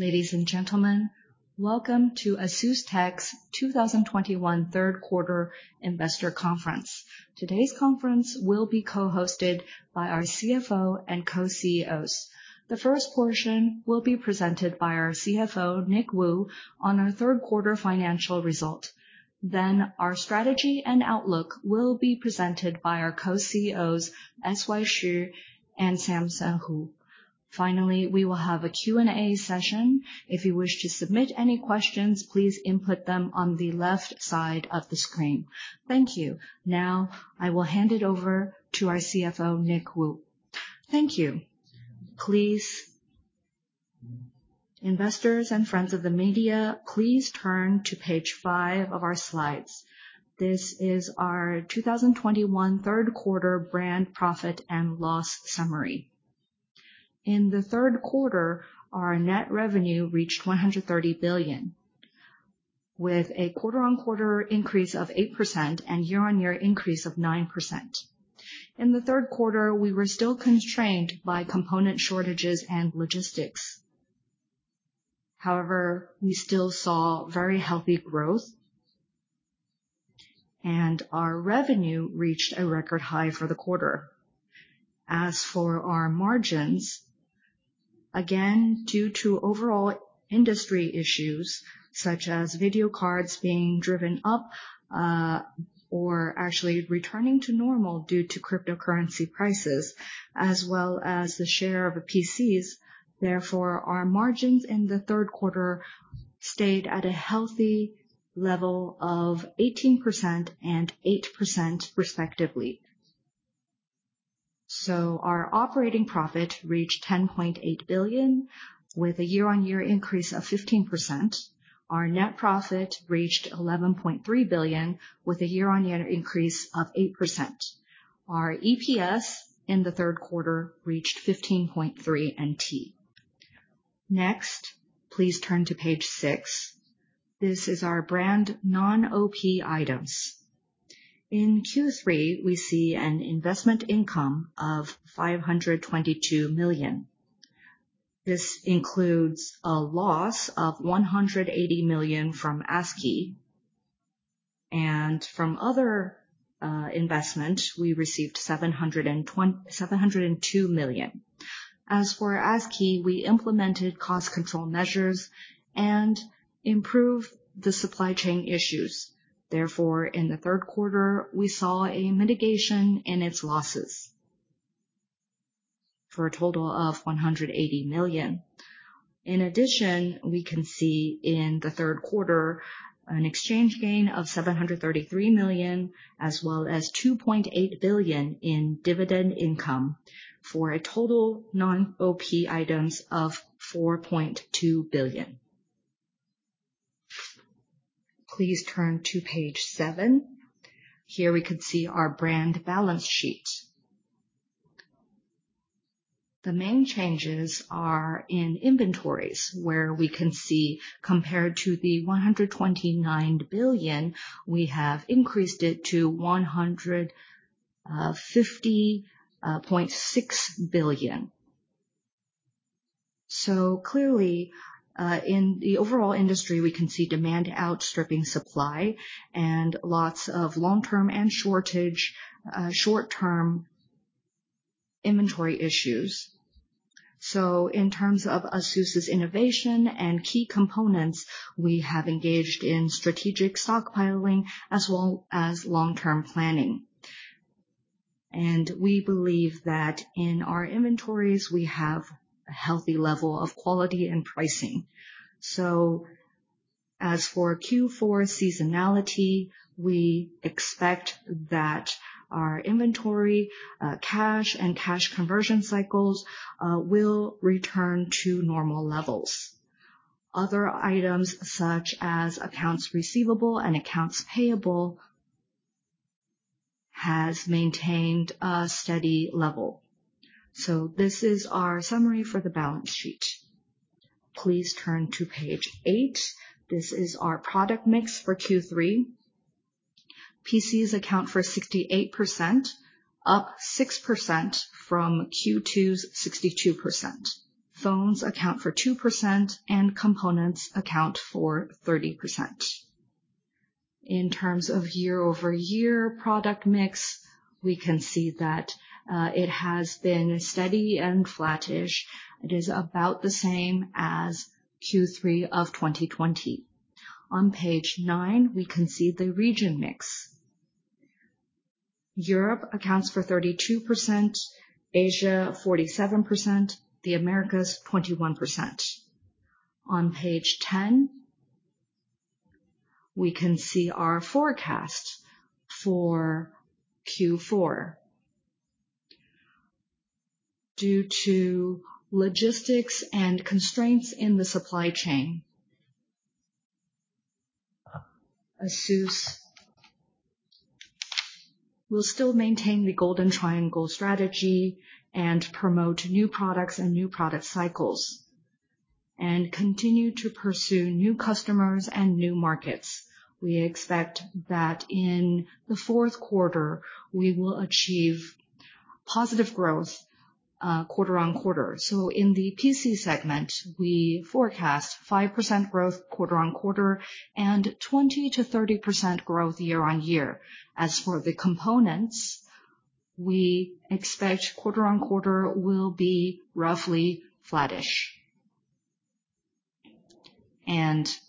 Ladies and gentlemen, welcome to ASUS's 2021 third quarter investor conference. Today's conference will be co-hosted by our CFO and co-CEOs. The first portion will be presented by our CFO, Nick Wu, on our third quarter financial result. Our strategy and outlook will be presented by our co-CEOs, S.Y. Hsu and Samson Hu. Finally, we will have a Q&A session. If you wish to submit any questions, please input them on the left side of the screen. Thank you. Now I will hand it over to our CFO, Nick Wu. Thank you. Please, investors and friends of the media, please turn to page five of our slides. This is our 2021 third quarter brand profit and loss summary. In the third quarter, our net revenue reached 130 billion, with a quarter-on-quarter increase of 8% and year-on-year increase of 9%. In the third quarter, we were still constrained by component shortages and logistics. However, we still saw very healthy growth, and our revenue reached a record high for the quarter. As for our margins, again, due to overall industry issues such as video cards being driven up, or actually returning to normal due to cryptocurrency prices as well as the shortage of PCs. Therefore, our margins in the third quarter stayed at a healthy level of 18% and 8% respectively. Our operating profit reached 10.8 billion with a year-on-year increase of 15%. Our net profit reached 11.3 billion with a year-on-year increase of 8%. Our EPS in the third quarter reached 15.3 NT. Next, please turn to page six. This is our brand non-OP items. In Q3, we see an investment income of 522 million. This includes a loss of 180 million from Askey. From other investment, we received 702 million. As for Askey, we implemented cost control measures and improved the supply chain issues. Therefore, in the third quarter, we saw a mitigation in its losses for a total of 180 million. In addition, we can see in the third quarter an exchange gain of 733 million, as well as 2.8 billion in dividend income for a total non-OP items of TWD 4.2 billion. Please turn to page seven. Here we can see our brand balance sheet. The main changes are in inventories, where we can see, compared to 129 billion, we have increased it to 150.6 billion. Clearly, in the overall industry, we can see demand outstripping supply and lots of long-term and short-term inventory issues. In terms of ASUS' innovation and key components, we have engaged in strategic stockpiling as well as long-term planning. We believe that in our inventories, we have a healthy level of quality and pricing. As for Q4 seasonality, we expect that our inventory, cash, and cash conversion cycles will return to normal levels. Other items such as accounts receivable and accounts payable has maintained a steady level. This is our summary for the balance sheet. Please turn to page eight. This is our product mix for Q3. PCs account for 68%, up 6% from Q2's 62%. Phones account for 2%, and components account for 30%. In terms of year-over-year product mix, we can see that it has been steady and flattish. It is about the same as Q3 of 2020. On page nine, we can see the region mix. Europe accounts for 32%, Asia 47%, the Americas 21%. On page ten, we can see our forecast for Q4. Due to logistics and constraints in the supply chain, ASUS will still maintain the Golden Triangle Strategy and promote new products and new product cycles, and continue to pursue new customers and new markets. We expect that in the fourth quarter, we will achieve positive growth quarter-on-quarter. In the PC segment, we forecast 5% growth quarter-on-quarter and 20%-30% growth year-on-year. As for the components, we expect quarter-on-quarter will be roughly flattish.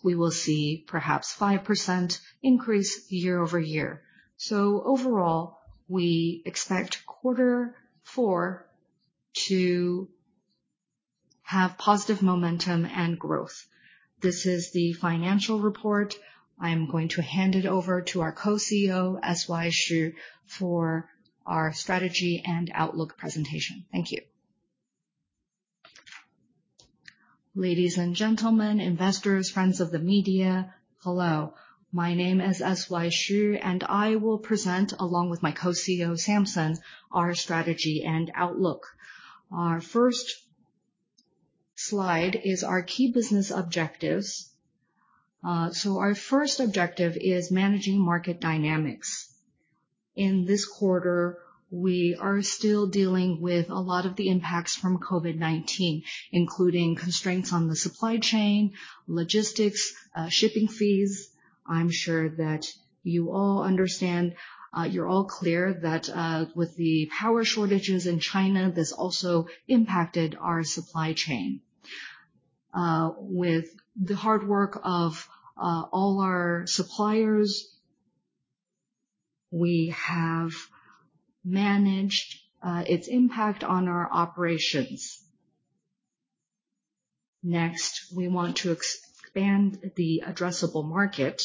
We will see perhaps 5% increase year-over-year. Overall, we expect quarter four to have positive momentum and growth. This is the financial report. I am going to hand it over to our Co-CEO, S.Y. Hsu, for our strategy and outlook presentation. Thank you. Ladies and gentlemen, investors, friends of the media, hello. My name is S.Y. Hsu, and I will present, along with my Co-CEO, Samson Hu, our strategy and outlook. Our first slide is our key business objectives. Our first objective is managing market dynamics. In this quarter, we are still dealing with a lot of the impacts from COVID-19, including constraints on the supply chain, logistics, shipping fees. I'm sure that you all understand, you're all clear that, with the power shortages in China, this also impacted our supply chain. With the hard work of all our suppliers, we have managed its impact on our operations. Next, we want to expand the addressable market.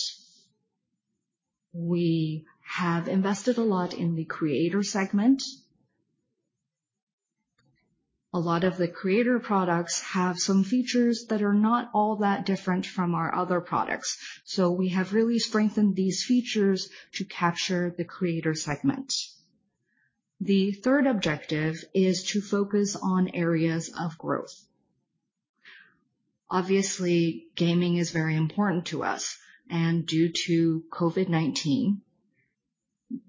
We have invested a lot in the creator segment. A lot of the creator products have some features that are not all that different from our other products. We have really strengthened these features to capture the creator segment. The third objective is to focus on areas of growth. Obviously, gaming is very important to us, and due to COVID-19,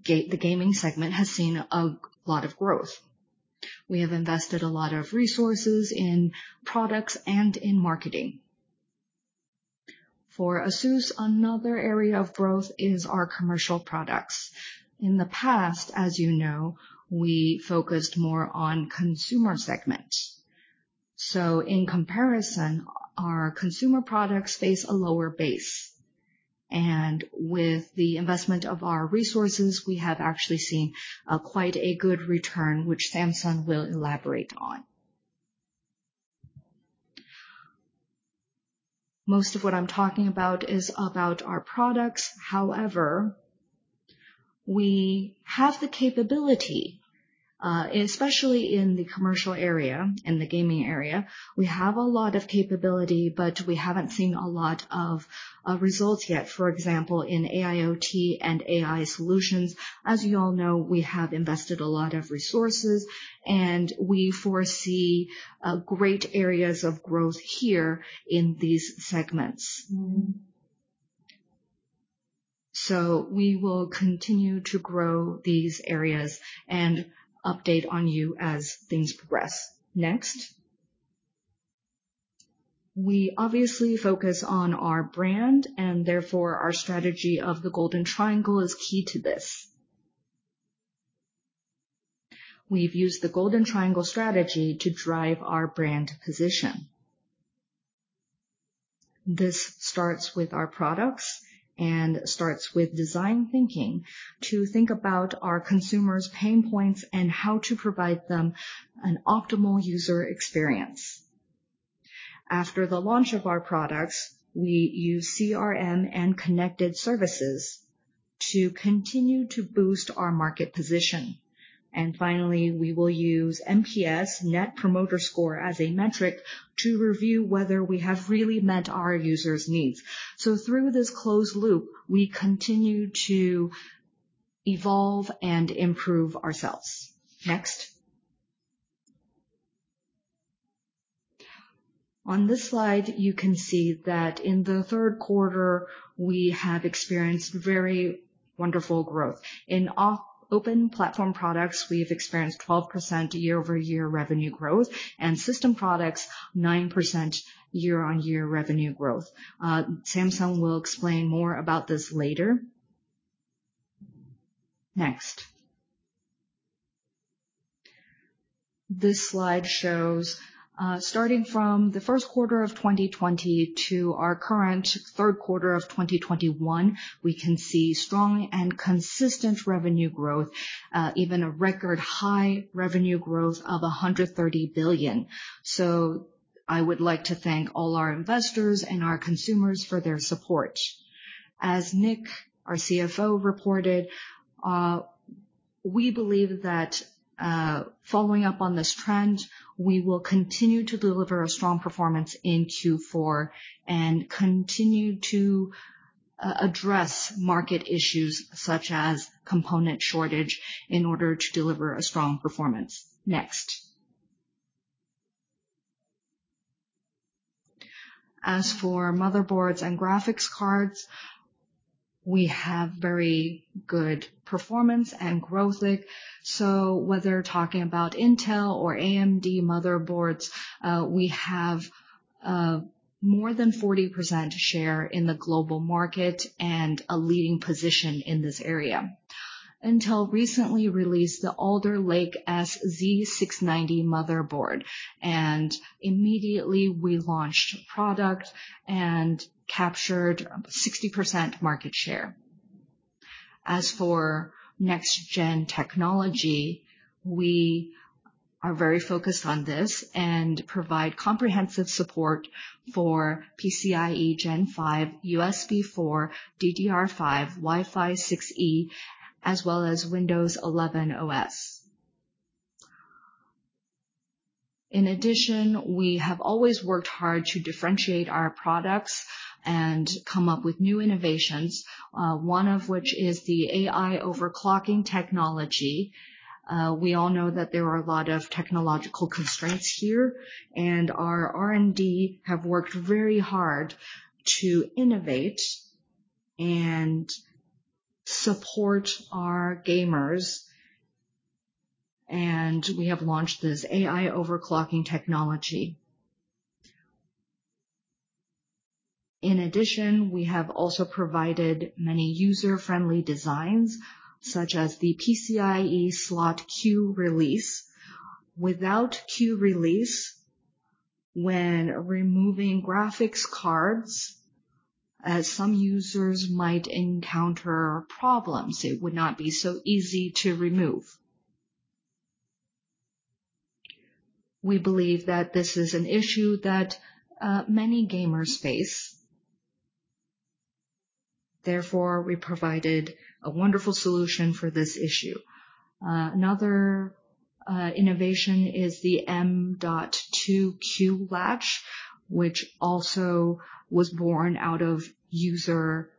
the gaming segment has seen a lot of growth. We have invested a lot of resources in products and in marketing. For ASUS, another area of growth is our commercial products. In the past, as you know, we focused more on consumer segment. In comparison, our consumer products face a lower base. With the investment of our resources, we have actually seen quite a good return, which Samson will elaborate on. Most of what I'm talking about is about our products. However, we have the capability, especially in the commercial area and the gaming area, we have a lot of capability, but we haven't seen a lot of results yet. For example, in AIoT and AI solutions, as you all know, we have invested a lot of resources, and we foresee great areas of growth here in these segments. We will continue to grow these areas and update you as things progress. Next. We obviously focus on our brand and therefore our strategy of the Golden Triangle is key to this. We've used the Golden Triangle Strategy to drive our brand position. This starts with our products and starts with Design Thinking to think about our consumers' pain points and how to provide them an optimal user experience. After the launch of our products, we use CRM and connected services to continue to boost our market position. Finally, we will use NPS, Net Promoter Score, as a metric to review whether we have really met our users' needs. Through this closed loop, we continue to evolve and improve ourselves. Next. On this slide, you can see that in the third quarter, we have experienced very wonderful growth. In open platform products, we've experienced 12% year-over-year revenue growth, and system products, 9% year-over-year revenue growth. Samson will explain more about this later. Next. This slide shows, starting from the first quarter of 2020 to our current third quarter of 2021, we can see strong and consistent revenue growth, even a record high revenue growth of 130 billion. I would like to thank all our investors and our consumers for their support. As Nick, our CFO, reported, we believe that, following up on this trend, we will continue to deliver a strong performance in Q4 and continue to address market issues such as component shortage in order to deliver a strong performance. As for motherboards and graphics cards, we have very good performance and growth. Whether talking about Intel or AMD motherboards, we have more than 40% share in the global market and a leading position in this area. Intel recently released the Alder Lake-S Z690 motherboard, and immediately we launched product and captured 60% market share. As for next-gen technology, we are very focused on this and provide comprehensive support for PCIe Gen 5, USB4, DDR5, Wi-Fi 6E as well as Windows 11 OS. In addition, we have always worked hard to differentiate our products and come up with new innovations, one of which is the AI overclocking technology. We all know that there are a lot of technological constraints here, and our R&D have worked very hard to innovate and support our gamers, and we have launched this AI overclocking technology. In addition, we have also provided many user-friendly designs, such as the PCIe Slot Q-Release. Without Q-Release, when removing graphics cards, as some users might encounter problems, it would not be so easy to remove. We believe that this is an issue that many gamers face. Therefore, we provided a wonderful solution for this issue. Another innovation is the M.2 Q-Latch, which also was born out of user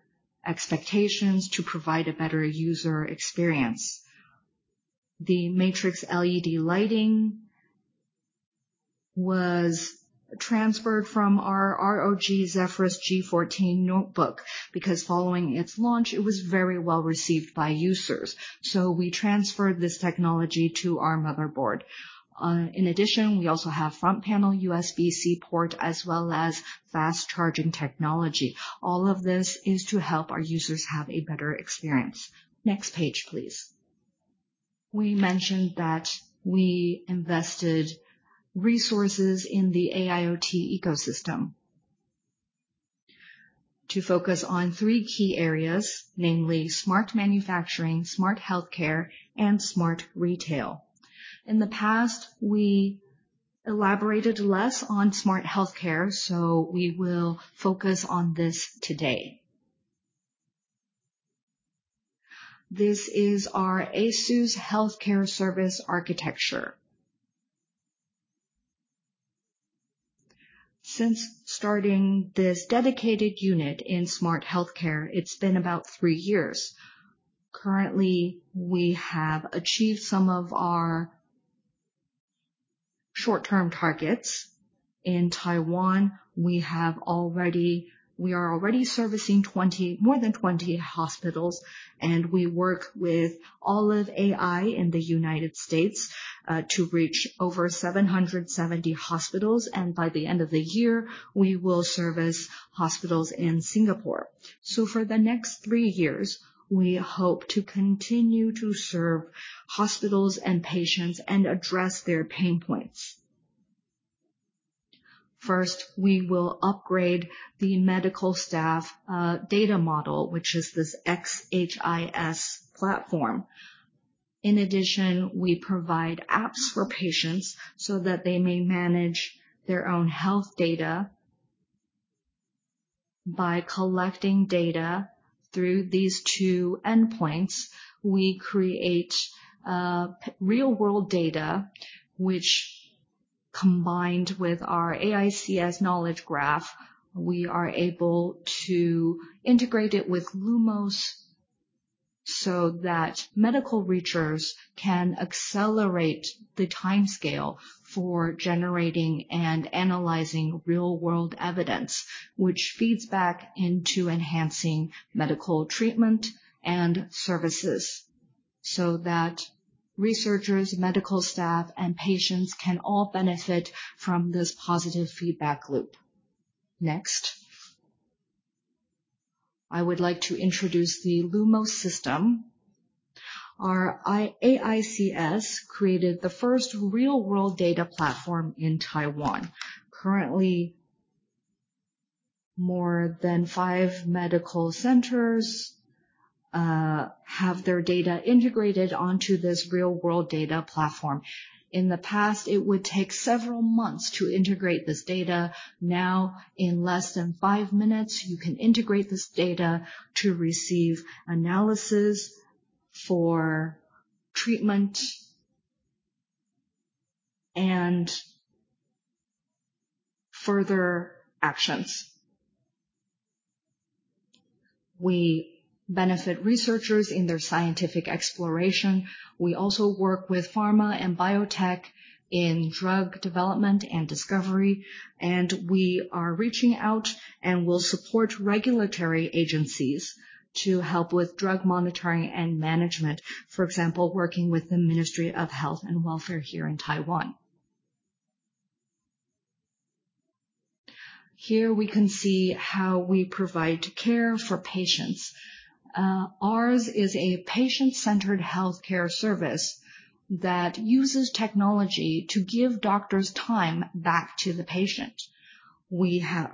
expectations to provide a better user experience. The matrix LED lighting was transferred from our ROG Zephyrus G14 notebook because following its launch, it was very well received by users. We transferred this technology to our motherboard. In addition, we also have front panel USB-C port as well as fast charging technology. All of this is to help our users have a better experience. Next page, please. We mentioned that we invested resources in the AIoT ecosystem to focus on three key areas, namely Smart Manufacturing, Smart Healthcare, and Smart Retail. In the past, we elaborated less on Smart Healthcare, so we will focus on this today. This is our ASUS Healthcare Service architecture. Since starting this dedicated unit in smart healthcare, it's been about three years. Currently, we have achieved some of our short-term targets. In Taiwan, we are already servicing more than 20 hospitals, and we work with Olive AI in the United States to reach over 770 hospitals. By the end of the year, we will service hospitals in Singapore. For the next three years, we hope to continue to serve hospitals and patients and address their pain points. First, we will upgrade the medical staff data model, which is this xHIS platform. In addition, we provide apps for patients so that they may manage their own health data. By collecting data through these two endpoints, we create real-world data which combined with our AICS Knowledge Graph, we are able to integrate it with Lumos, so that medical researchers can accelerate the timescale for generating and analyzing real-world evidence, which feeds back into enhancing medical treatment and services so that researchers, medical staff, and patients can all benefit from this positive feedback loop. Next, I would like to introduce the Lumos system. Our AICS created the first real-world data platform in Taiwan. Currently, more than five medical centers have their data integrated onto this real-world data platform. In the past, it would take several months to integrate this data. Now, in less than five minutes, you can integrate this data to receive analysis for treatment and further actions. We benefit researchers in their scientific exploration. We also work with pharma and biotech in drug development and discovery, and we are reaching out and will support regulatory agencies to help with drug monitoring and management. For example, working with the Ministry of Health and Welfare here in Taiwan. Here we can see how we provide care for patients. Ours is a patient-centered healthcare service that uses technology to give doctors time back to the patient. We have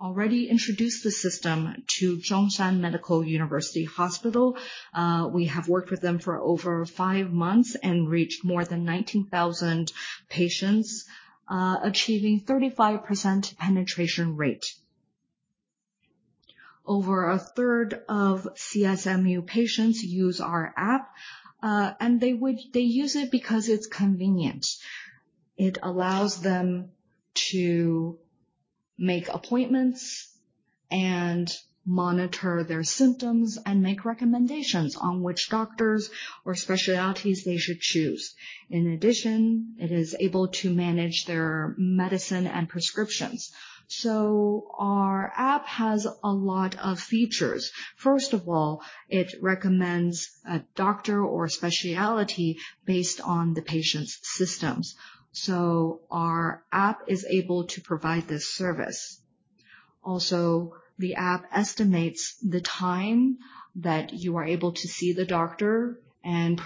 already introduced the system to Chung Shan Medical University Hospital. We have worked with them for over five months and reached more than 19,000 patients, achieving 35% penetration rate. Over a third of CSMU patients use our app, and they use it because it's convenient. It allows them to make appointments and monitor their symptoms, and make recommendations on which doctors or specialties they should choose. In addition, it is able to manage their medicine and prescriptions. Our app has a lot of features. First of all, it recommends a doctor or specialty based on the patient's symptoms. Our app is able to provide this service. Also, the app estimates the time that you are able to see the doctor and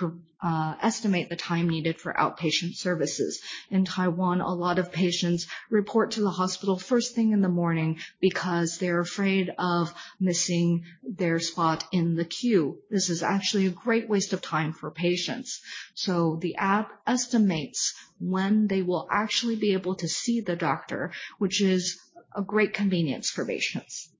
estimate the time needed for outpatient services. In Taiwan, a lot of patients report to the hospital first thing in the morning because they're afraid of missing their spot in the queue. This is actually a great waste of time for patients. The app estimates when they will actually be able to see the doctor, which is a great convenience for patients.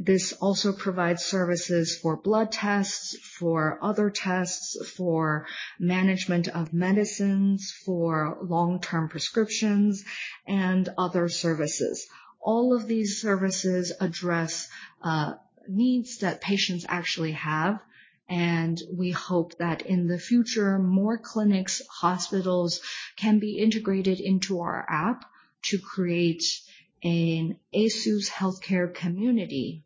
This also provides services for blood tests, for other tests, for management of medicines, for long-term prescriptions and other services. All of these services address needs that patients actually have, and we hope that in the future, more clinics, hospitals can be integrated into our app to create an ASUS Healthcare community.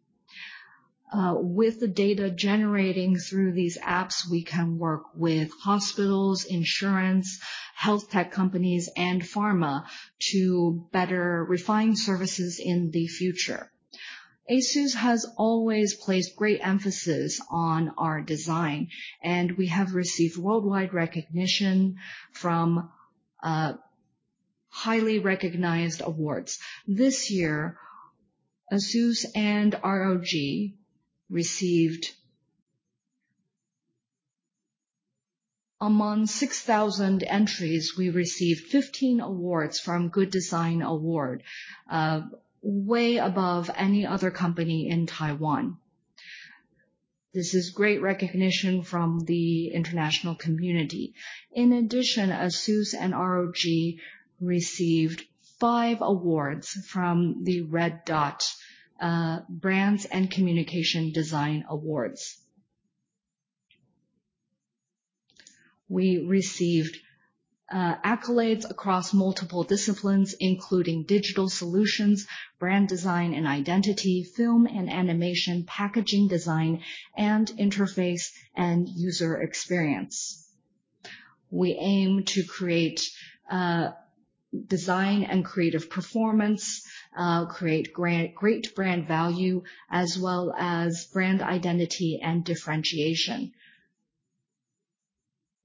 With the data generating through these apps, we can work with hospitals, insurance, health tech companies, and pharma to better refine services in the future. ASUS has always placed great emphasis on our design, and we have received worldwide recognition from highly recognized awards. This year, ASUS and ROG received among 6,000 entries, we received 15 awards from Good Design Award way above any other company in Taiwan. This is great recognition from the international community. In addition, ASUS and ROG received 5 awards from the Red Dot Brands & Communication Design Awards. We received accolades across multiple disciplines, including Digital Solutions, Brand Design and Identity, Film and Animation, Packaging Design, and Interface and User Experience. We aim to create design and creative performance, create great brand value, as well as brand identity and differentiation.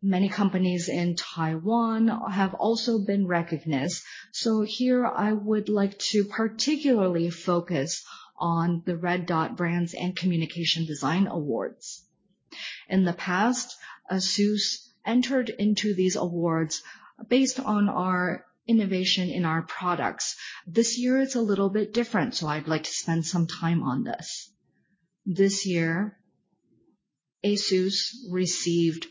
Many companies in Taiwan have also been recognized. Here I would like to particularly focus on the Red Dot Award: Brands & Communication Design. In the past, ASUS entered into these awards based on our innovation in our products. This year it's a little bit different, so I'd like to spend some time on this. This year, ASUS received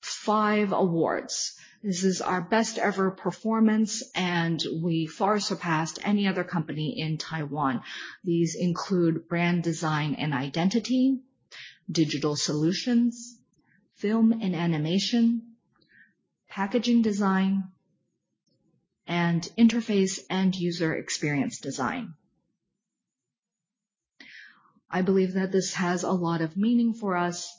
five awards. This is our best ever performance, and we far surpassed any other company in Taiwan. These include Brand Design and Identity, Digital Solutions, Film and Animation, Packaging Design, and Interface and User Experience Design. I believe that this has a lot of meaning for us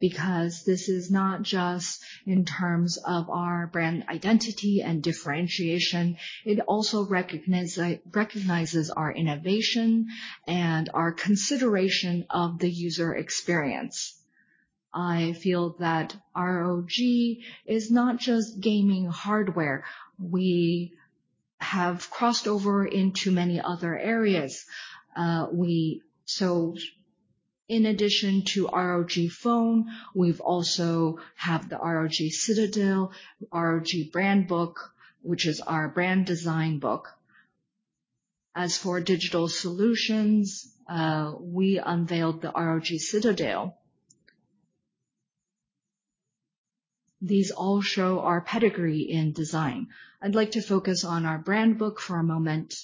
because this is not just in terms of our brand identity and differentiation. It also recognizes our innovation and our consideration of the user experience. I feel that ROG is not just gaming hardware. We have crossed over into many other areas. In addition to ROG Phone, we've also have the ROG Citadel, ROG Brandbook, which is our brand design book. As for Digital Solutions, we unveiled the ROG Citadel. These all show our pedigree in design. I'd like to focus on our brand book for a moment.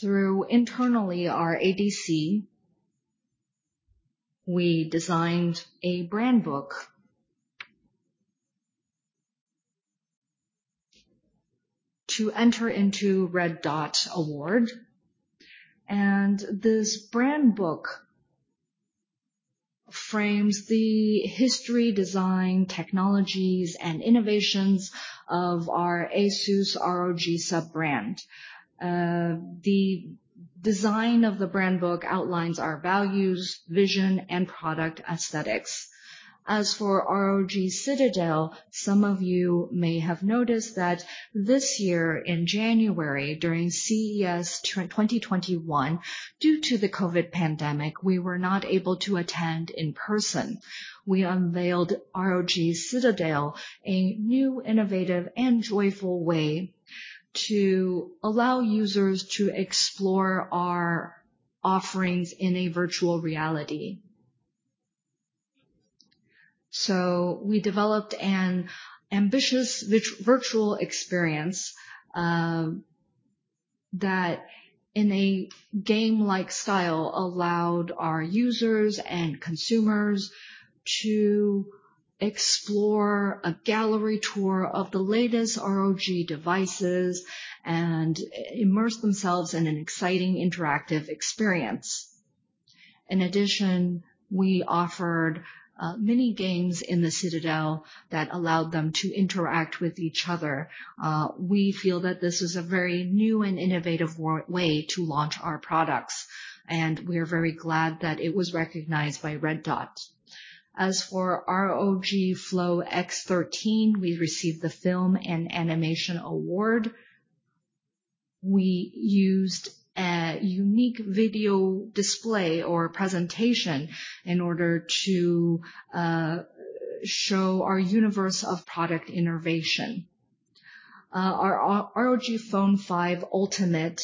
Through internally, our ADC, we designed a brand book to enter into Red Dot Award. This brand book frames the history, design, technologies, and innovations of our ASUS ROG sub-brand. The design of the Brandbook outlines our values, vision, and product aesthetics. As for ROG Citadel, some of you may have noticed that this year in January during CES 2021, due to the COVID pandemic, we were not able to attend in person. We unveiled ROG Citadel, a new innovative and joyful way to allow users to explore our offerings in a virtual reality. We developed an ambitious virtual experience that in a game-like style allowed our users and consumers to explore a gallery tour of the latest ROG devices and immerse themselves in an exciting interactive experience. In addition, we offered mini games in the Citadel that allowed them to interact with each other. We feel that this is a very new and innovative way to launch our products, and we are very glad that it was recognized by Red Dot. As for ROG Flow X13, we received the Film and Animation Award. We used a unique video display or presentation in order to show our universe of product innovation. Our ROG Phone 5 Ultimate,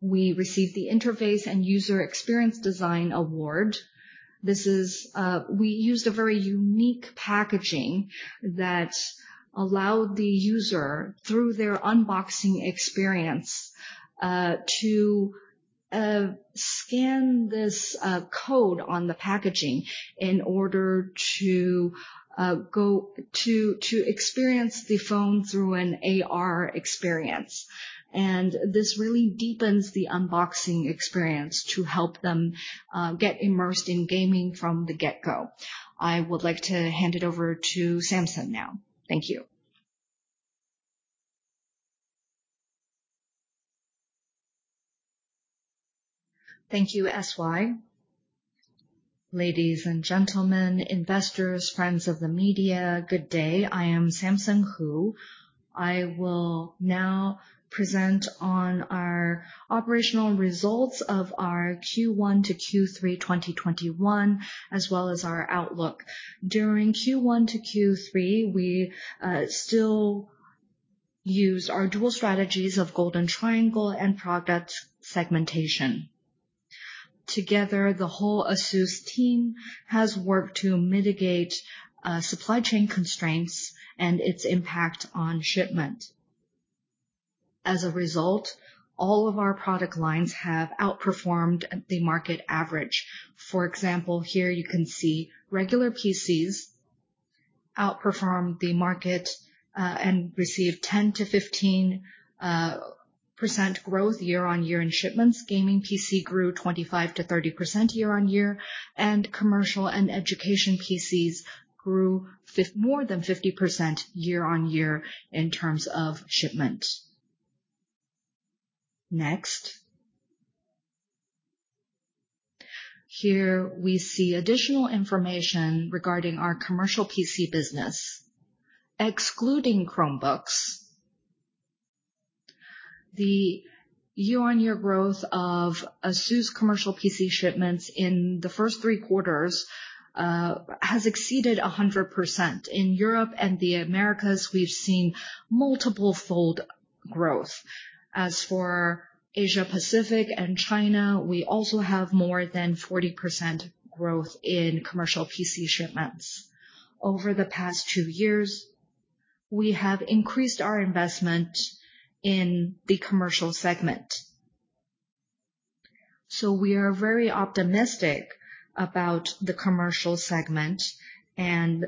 we received the Interface and User Experience Design Award. We used a very unique packaging that allowed the user, through their unboxing experience, to scan this code on the packaging in order to go to experience the phone through an AR experience. This really deepens the unboxing experience to help them get immersed in gaming from the get-go. I would like to hand it over to Samson now. Thank you. Thank you, S.Y. Ladies and gentlemen, investors, friends of the media, good day. I am Samson Hu. I will now present on our operational results of our Q1 to Q3 2021, as well as our outlook. During Q1 to Q3, we still used our dual strategies of Golden Triangle and product segmentation. Together, the whole ASUS team has worked to mitigate supply chain constraints and its impact on shipment. As a result, all of our product lines have outperformed the market average. For example, here you can see regular PCs outperformed the market and received 10%-15% growth year-on-year in shipments. Gaming PC grew 25%-30% year-on-year, and commercial and education PCs grew more than 50% year-on-year in terms of shipment. Next. Here we see additional information regarding our Commercial PC business. Excluding Chromebooks, the year-on-year growth of ASUS Commercial PC shipments in the first three quarters has exceeded 100%. In Europe and the Americas, we've seen multiple-fold growth. As for Asia-Pacific and China, we also have more than 40% growth in Commercial PC shipments. Over the past two years, we have increased our investment in the commercial segment. We are very optimistic about the commercial segment and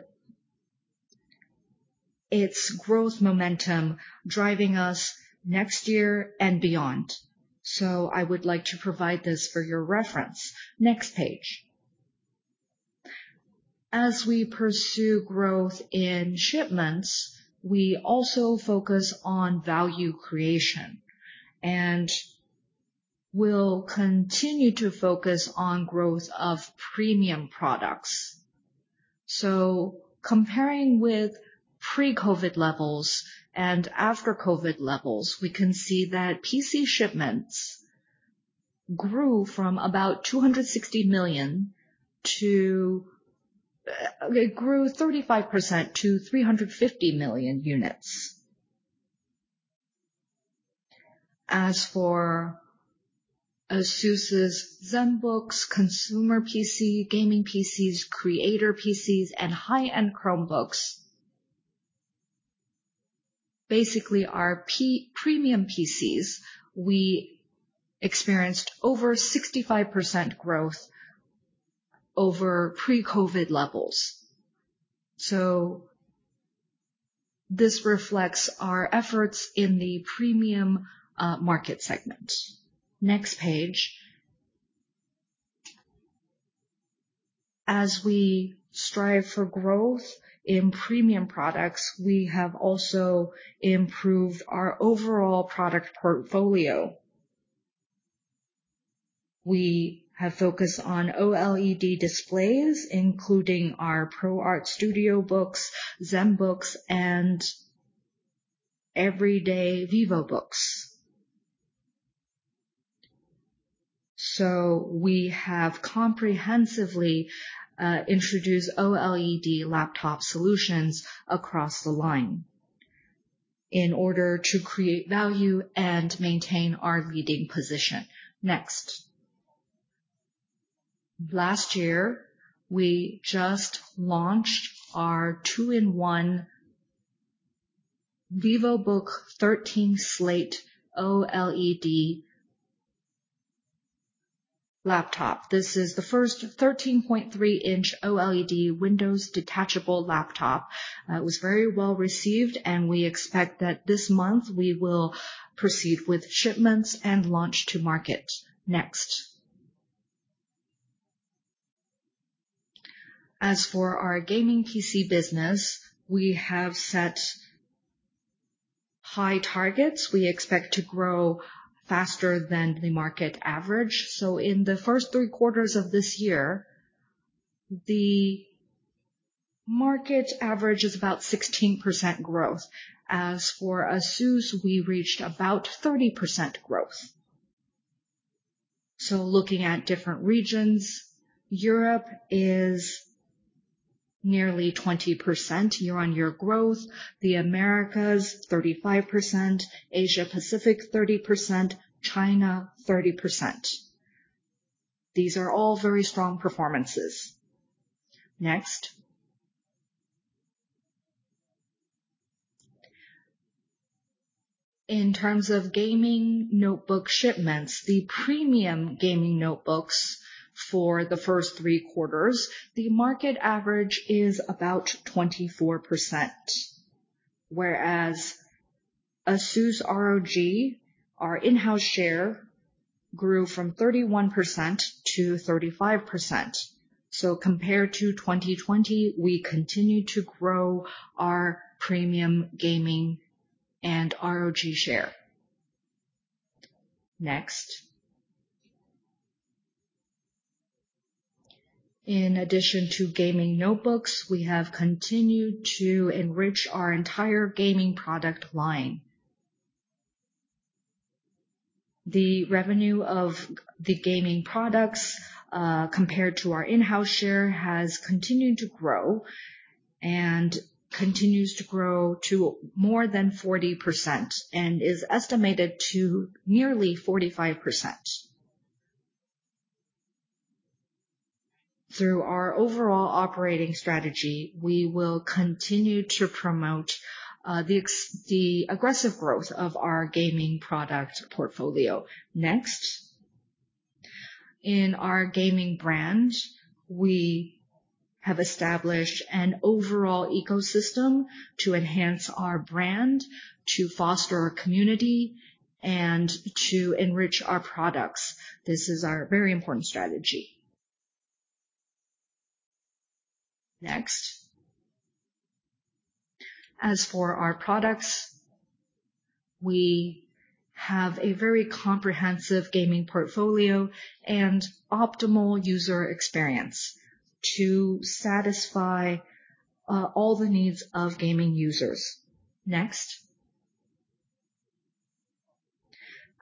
its growth momentum driving us next year and beyond. I would like to provide this for your reference. Next page. As we pursue growth in shipments, we also focus on value creation, and we'll continue to focus on growth of premium products. Comparing with pre-COVID levels and after COVID levels, we can see that PC shipments grew from about 260 million. It grew 35% to 350 million units. As for ASUS's Zenbook, consumer PC, gaming PCs, creator PCs, and high-end Chromebooks. Basically our premium PCs, we experienced over 65% growth over pre-COVID levels. This reflects our efforts in the premium market segment. Next page. As we strive for growth in premium products, we have also improved our overall product portfolio. We have focused on OLED displays, including our ProArt Studiobooks, Zenbooks, and everyday Vivobooks. We have comprehensively introduced OLED laptop solutions across the line in order to create value and maintain our leading position. Next. Last year, we just launched our two-in-one Vivobook 13 Slate OLED laptop. This is the first 13.3-inch OLED Windows detachable laptop. It was very well received, and we expect that this month we will proceed with shipments and launch to market. Next. As for our gaming PC business, we have set high targets. We expect to grow faster than the market average. In the first three quarters of this year, the market average is about 16% growth. As for ASUS, we reached about 30% growth. Looking at different regions, Europe is nearly 20% year-on-year growth. The Americas, 35%. Asia-Pacific, 30%. China, 30%. These are all very strong performances. Next. In terms of gaming notebook shipments, the premium gaming notebooks for the first three quarters, the market average is about 24%. Whereas ASUS ROG, our in-house share grew from 31% to 35%. Compared to 2020, we continue to grow our premium gaming and ROG share. Next. In addition to gaming notebooks, we have continued to enrich our entire gaming product line. The revenue of the gaming products, compared to our in-house share, has continued to grow and continues to grow to more than 40%, and is estimated to nearly 45%. Through our overall operating strategy, we will continue to promote the aggressive growth of our gaming product portfolio. Next. In our gaming brand, we have established an overall ecosystem to enhance our brand, to foster our community, and to enrich our products. This is our very important strategy. Next. As for our products, we have a very comprehensive gaming portfolio and optimal user experience to satisfy all the needs of gaming users.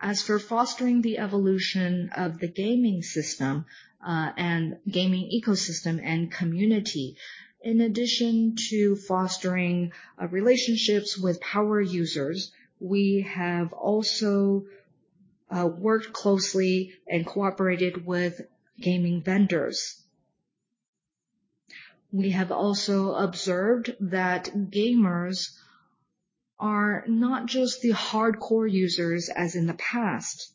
Next. As for fostering the evolution of the gaming system and gaming ecosystem and community, in addition to fostering relationships with power users, we have also worked closely and cooperated with gaming vendors. We have also observed that gamers are not just the hardcore users as in the past.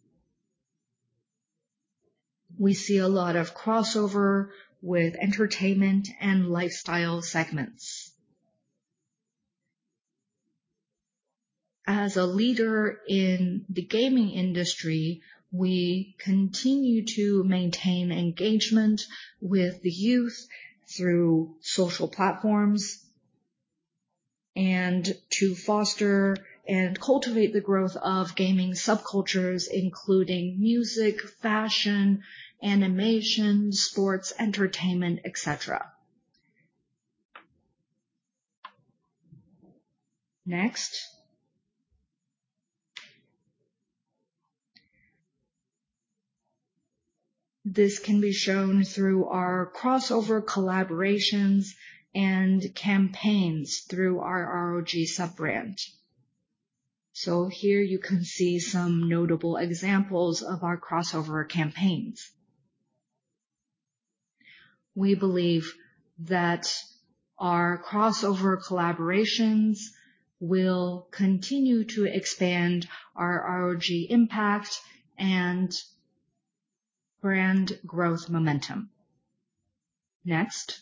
We see a lot of crossover with entertainment and lifestyle segments. As a leader in the gaming industry, we continue to maintain engagement with the youth through social platforms, and to foster and cultivate the growth of gaming subcultures, including music, fashion, animation, sports, entertainment, et cetera. Next. This can be shown through our crossover collaborations and campaigns through our ROG sub-brand. So here you can see some notable examples of our crossover campaigns. We believe that our crossover collaborations will continue to expand our ROG impact and brand growth momentum. Next.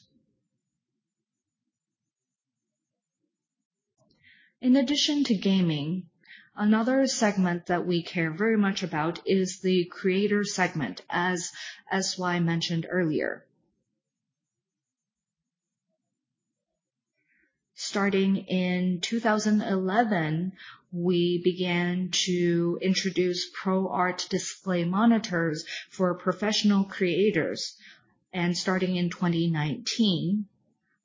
In addition to Gaming, another segment that we care very much about is the Creator segment, as S.Y. Mentioned earlier. Starting in 2011, we began to introduce ProArt display monitors for professional creators. Starting in 2019,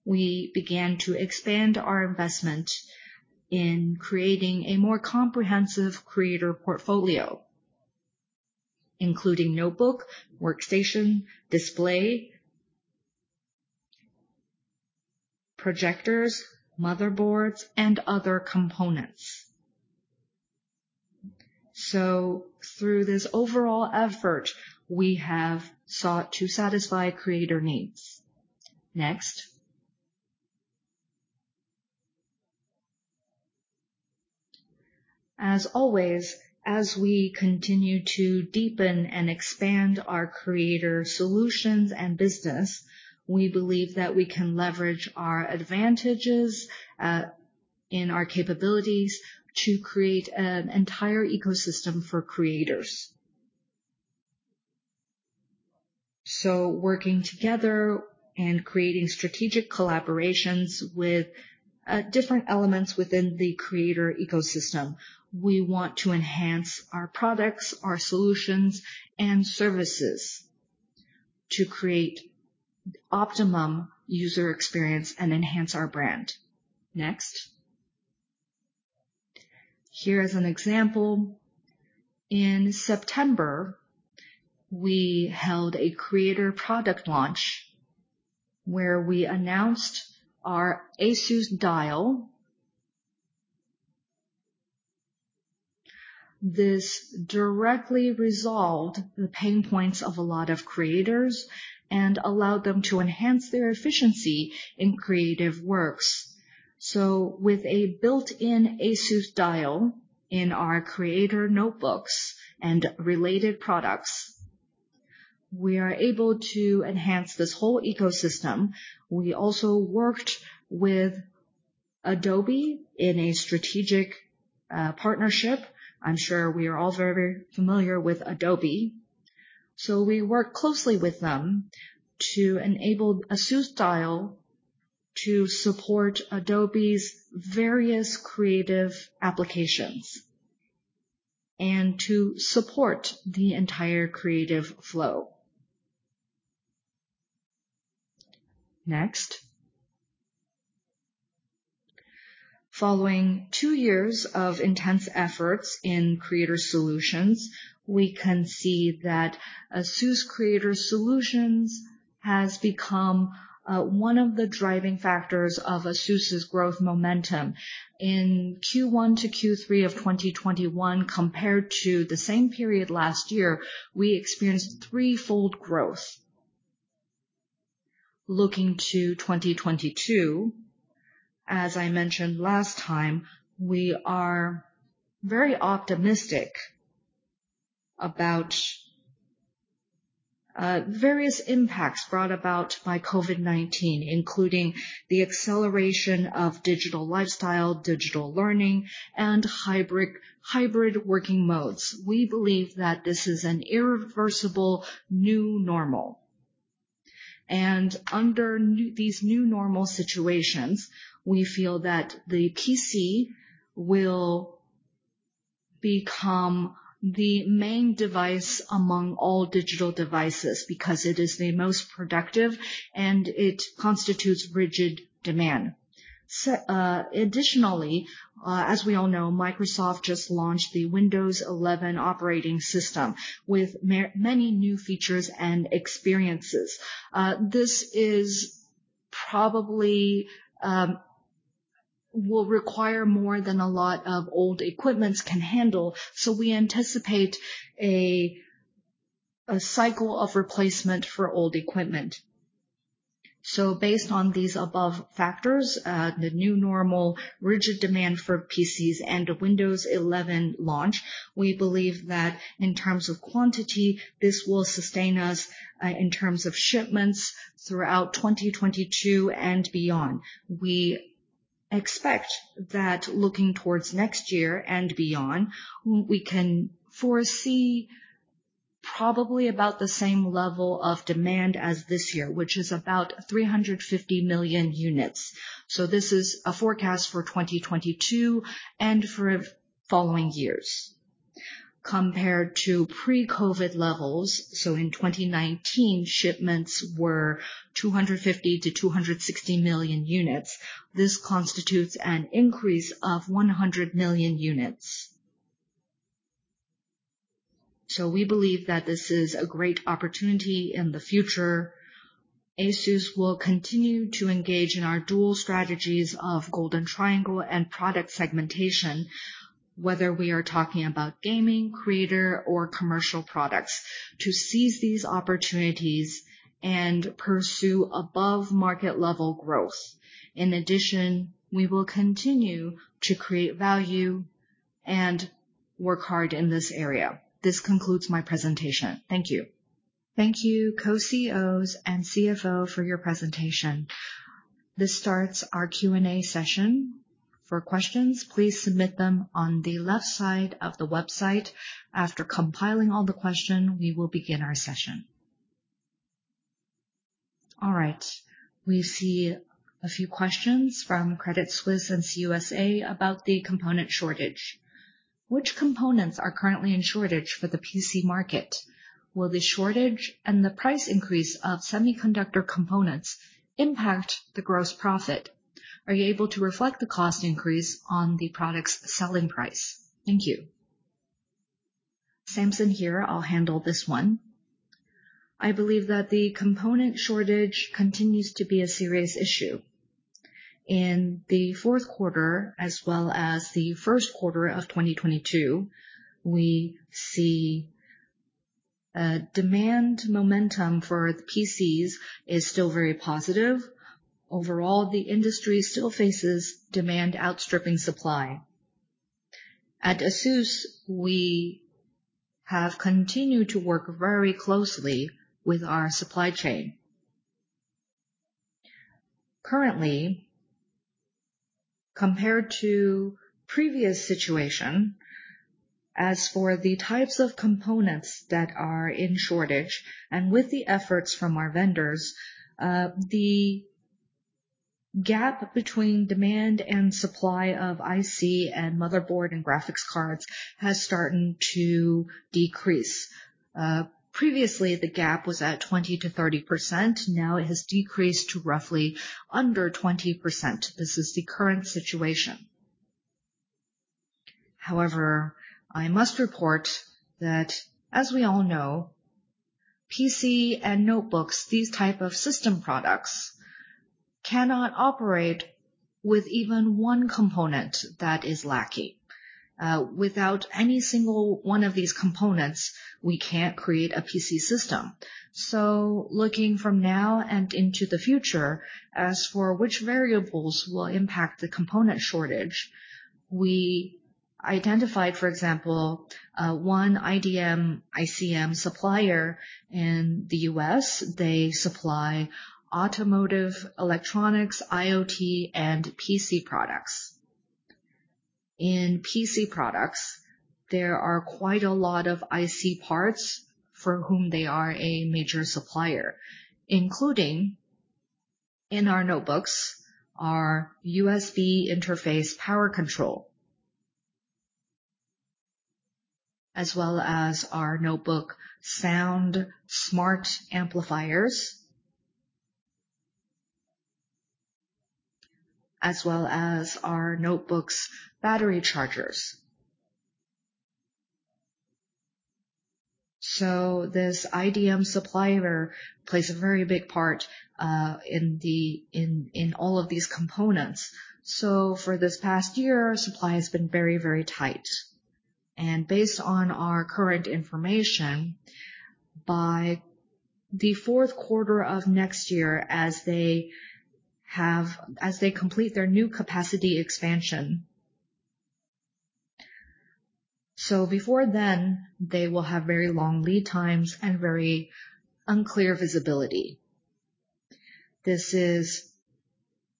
we began to expand our investment in creating a more comprehensive creator portfolio, including notebook, workstation, display, projectors, motherboards, and other components. Through this overall effort, we have sought to satisfy creator needs. Next. As always, as we continue to deepen and expand our Creator Solutions and Business, we believe that we can leverage our advantages and our capabilities to create an entire ecosystem for creators. Working together and creating strategic collaborations with different elements within the creator ecosystem, we want to enhance our products, our solutions, and services to create optimum user experience and enhance our brand. Next. Here is an example. In September, we held a creator product launch where we announced our ASUS Dial. This directly resolved the pain points of a lot of creators and allowed them to enhance their efficiency in creative works. With a built-in ASUS Dial in our creator notebooks and related products, we are able to enhance this whole ecosystem. We also worked with Adobe in a strategic partnership. I'm sure we are all very familiar with Adobe. We work closely with them to enable ASUS Dial to support Adobe's various creative applications and to support the entire creative flow. Next. Following two years of intense efforts in creator solutions, we can see that ASUS Creator Solutions has become one of the driving factors of ASUS' growth momentum. In Q1 to Q3 of 2021 compared to the same period last year, we experienced threefold growth. Looking to 2022, as I mentioned last time, we are very optimistic about various impacts brought about by COVID-19, including the acceleration of digital lifestyle, digital learning, and hybrid working modes. We believe that this is an irreversible new normal. Under these new normal situations, we feel that the PC will become the main device among all digital devices because it is the most productive and it constitutes rigid demand. Additionally, as we all know, Microsoft just launched the Windows 11 operating system with many new features and experiences. This probably will require more than a lot of old equipment can handle. We anticipate a cycle of replacement for old equipment. Based on these above factors, the new normal rigid demand for PCs and the Windows 11 launch, we believe that in terms of quantity, this will sustain us in terms of shipments throughout 2022 and beyond. We expect that looking towards next year and beyond, we can foresee probably about the same level of demand as this year, which is about 350 million units. This is a forecast for 2022 and for following years. Compared to pre-COVID levels, in 2019, shipments were 250-260 million units. This constitutes an increase of 100 million units. We believe that this is a great opportunity in the future. ASUS will continue to engage in our dual strategies of Golden Triangle and product segmentation, whether we are talking about gaming, creator, or commercial products, to seize these opportunities and pursue above market level growth. In addition, we will continue to create value and work hard in this area. This concludes my presentation. Thank you. Thank you, Co-CEOs and CFO for your presentation. This starts our Q&A session. For questions, please submit them on the left side of the website. After compiling all the questions, we will begin our session. All right, we see a few questions from Credit Suisse and CICC about the component shortage. Which components are currently in shortage for the PC market? Will the shortage and the price increase of semiconductor components impact the gross profit? Are you able to reflect the cost increase on the product's selling price? Thank you. Samson here. I'll handle this one. I believe that the component shortage continues to be a serious issue. In the fourth quarter as well as the first quarter of 2022, we see demand momentum for the PCs is still very positive. Overall, the industry still faces demand outstripping supply. At ASUS, we have continued to work very closely with our supply chain. Currently, compared to previous situation, as for the types of components that are in shortage and with the efforts from our vendors, the gap between demand and supply of IC and motherboard and graphics cards has started to decrease. Previously, the gap was at 20%-30%. Now it has decreased to roughly under 20%. This is the current situation. However, I must report that as we all know, PC and notebooks, these type of system products cannot operate with even one component that is lacking. Without any single one of these components, we can't create a PC system. Looking from now and into the future as for which variables will impact the component shortage, we identified, for example, one IDM IC supplier in the U.S. They supply automotive, electronics, IoT, and PC products. In PC products, there are quite a lot of IC parts for whom they are a major supplier, including in our notebooks, our USB interface power control, as well as our notebook sound smart amplifiers, as well as our notebooks battery chargers. This IDM supplier plays a very big part in all of these components. For this past year, supply has been very, very tight. Based on our current information, by the fourth quarter of next year, as they complete their new capacity expansion. Before then, they will have very long lead times and very unclear visibility. This is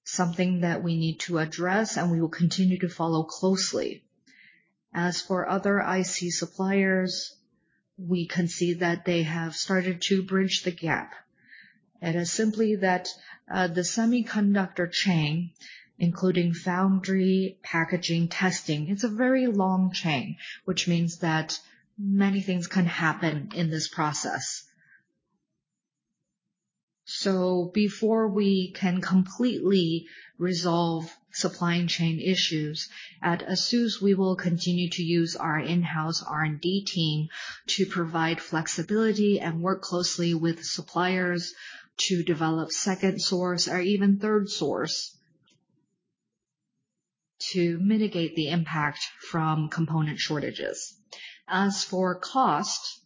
something that we need to address, and we will continue to follow closely. As for other IC suppliers, we can see that they have started to bridge the gap. It is simply that, the semiconductor chain, including foundry, packaging, testing, it's a very long chain, which means that many things can happen in this process. Before we can completely resolve supply chain issues, at ASUS we will continue to use our in-house R&D team to provide flexibility and work closely with suppliers to develop second source or even third source to mitigate the impact from component shortages. As for cost,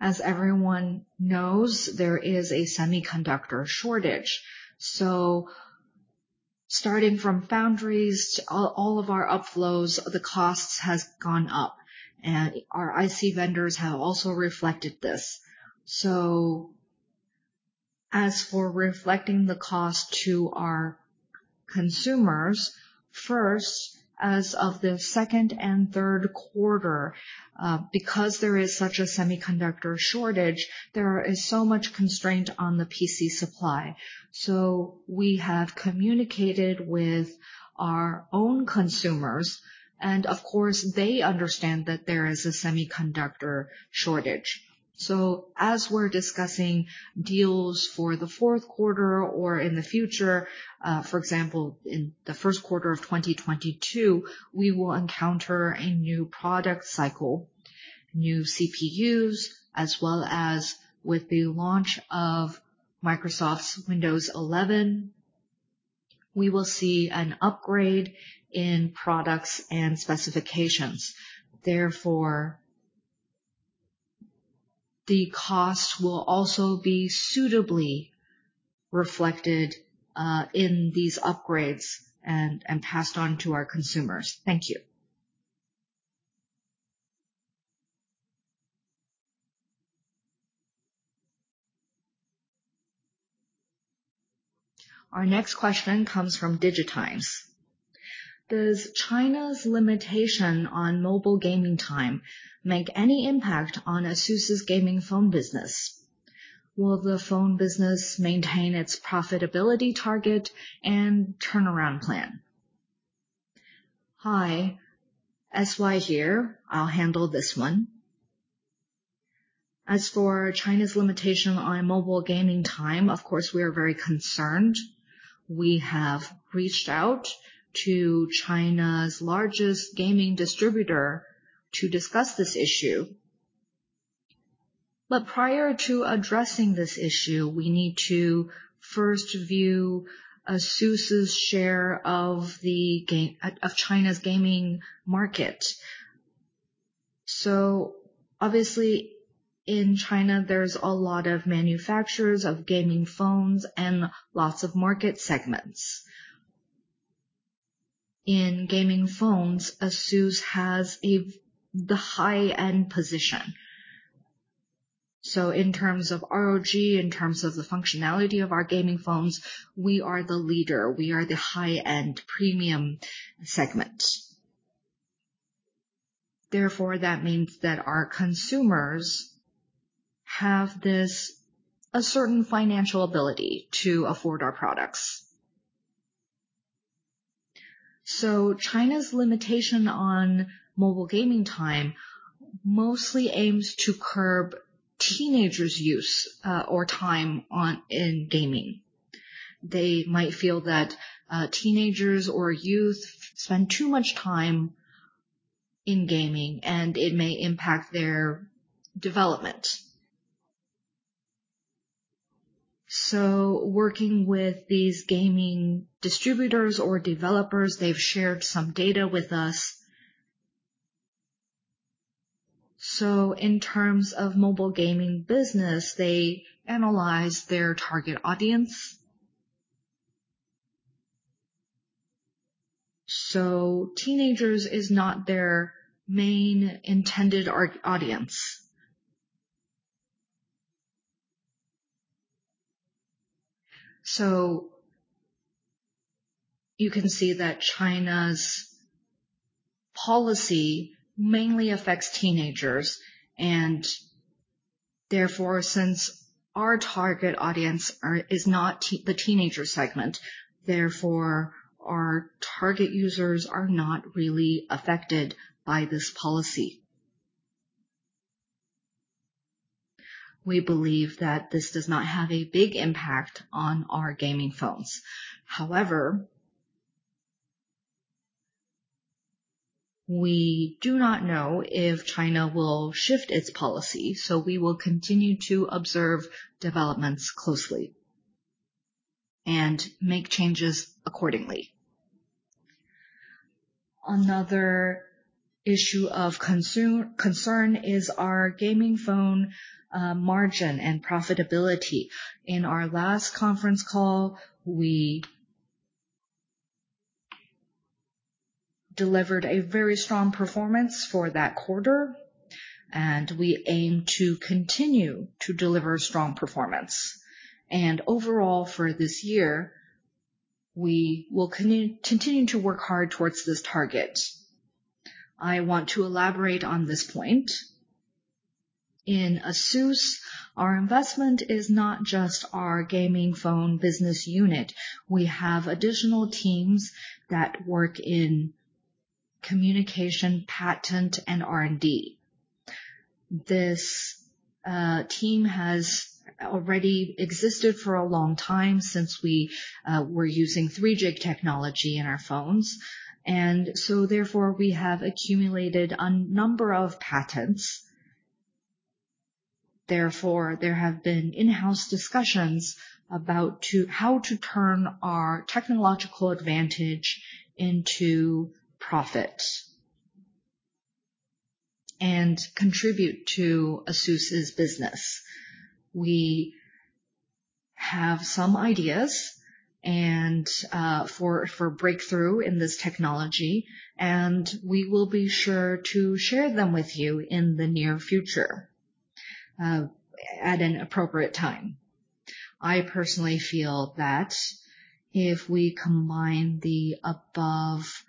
as everyone knows, there is a semiconductor shortage. Starting from foundries to all of our upstream, the costs has gone up. Our IC vendors have also reflected this. As for reflecting the cost to our consumers, first, as of the second and third quarter, because there is such a semiconductor shortage, there is so much constraint on the PC supply. We have communicated with our own consumers, and of course, they understand that there is a semiconductor shortage. As we're discussing deals for the fourth quarter or in the future, for example, in the first quarter of 2022, we will encounter a new product cycle, new CPUs, as well as with the launch of Microsoft's Windows 11, we will see an upgrade in products and specifications. Therefore, the cost will also be suitably reflected in these upgrades and passed on to our consumers. Thank you. Our next question comes from DIGITIMES. Does China's limitation on mobile gaming time make any impact on ASUS' gaming phone business? Will the phone business maintain its profitability target and turnaround plan? Hi. S.Y. here. I'll handle this one. As for China's limitation on mobile gaming time, of course, we are very concerned. We have reached out to China's largest gaming distributor to discuss this issue. Prior to addressing this issue, we need to first view ASUS' share of China's gaming market. Obviously, in China, there's a lot of manufacturers of gaming phones and lots of market segments. In gaming phones, ASUS has the high-end position. In terms of ROG, in terms of the functionality of our gaming phones, we are the leader, we are the high-end premium segment. That means that our consumers have this certain financial ability to afford our products. China's limitation on mobile gaming time mostly aims to curb teenagers' use or time in gaming. They might feel that teenagers or youth spend too much time in gaming, and it may impact their development. Working with these gaming distributors or developers, they've shared some data with us. In terms of mobile gaming business, they analyze their target audience. Teenagers is not their main intended audience. You can see that China's policy mainly affects teenagers, and therefore, since our target audience is not the teenager segment, therefore our target users are not really affected by this policy. We believe that this does not have a big impact on our gaming phones. However, we do not know if China will shift its policy, so we will continue to observe developments closely and make changes accordingly. Another issue of concern is our gaming phone margin and profitability. In our last conference call, we delivered a very strong performance for that quarter, and we aim to continue to deliver strong performance. Overall, for this year, we will continue to work hard towards this target. I want to elaborate on this point. In ASUS, our investment is not just our gaming phone business unit. We have additional teams that work in communication, patent, and R&D. This team has already existed for a long time since we were using 3G technology in our phones. Therefore, we have accumulated a number of patents. Therefore, there have been in-house discussions about how to turn our technological advantage into profit, and contribute to ASUS' business. We have some ideas and for breakthrough in this technology, and we will be sure to share them with you in the near future at an appropriate time. I personally feel that if we combine the above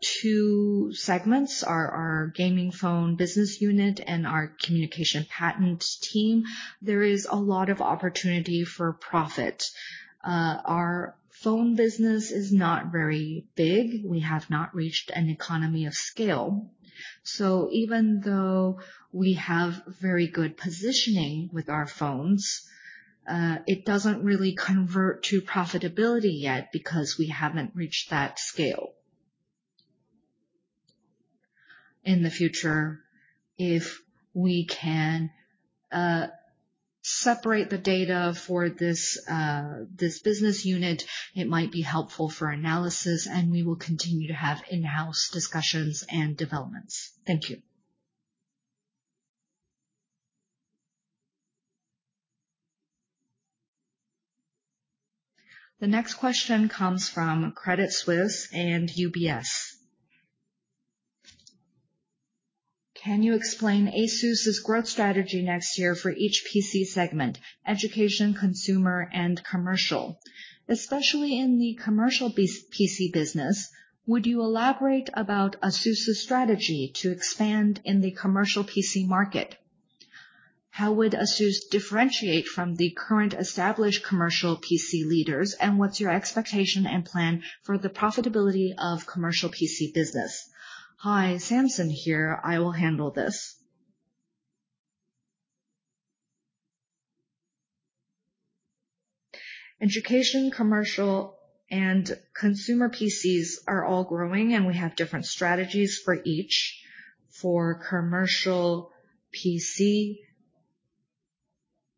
two segments, our gaming phone business unit and our communication patent team, there is a lot of opportunity for profit. Our phone business is not very big. We have not reached economies of scale. Even though we have very good positioning with our phones, it doesn't really convert to profitability yet because we haven't reached that scale. In the future, if we can separate the data for this business unit, it might be helpful for analysis, and we will continue to have in-house discussions and developments. Thank you. The next question comes from Credit Suisse and UBS. Can you explain ASUS's growth strategy next year for each PC segment: education, consumer, and commercial? Especially in the Commercial PC business, would you elaborate about ASUS's strategy to expand in the Commercial PC market? How would ASUS differentiate from the current established Commercial PC leaders, and what's your expectation and plan for the profitability of Commercial PC business? Hi, Samson here, I will handle this. Education, Commercial, and Consumer PCs are all growing, and we have different strategies for each. For Commercial PC,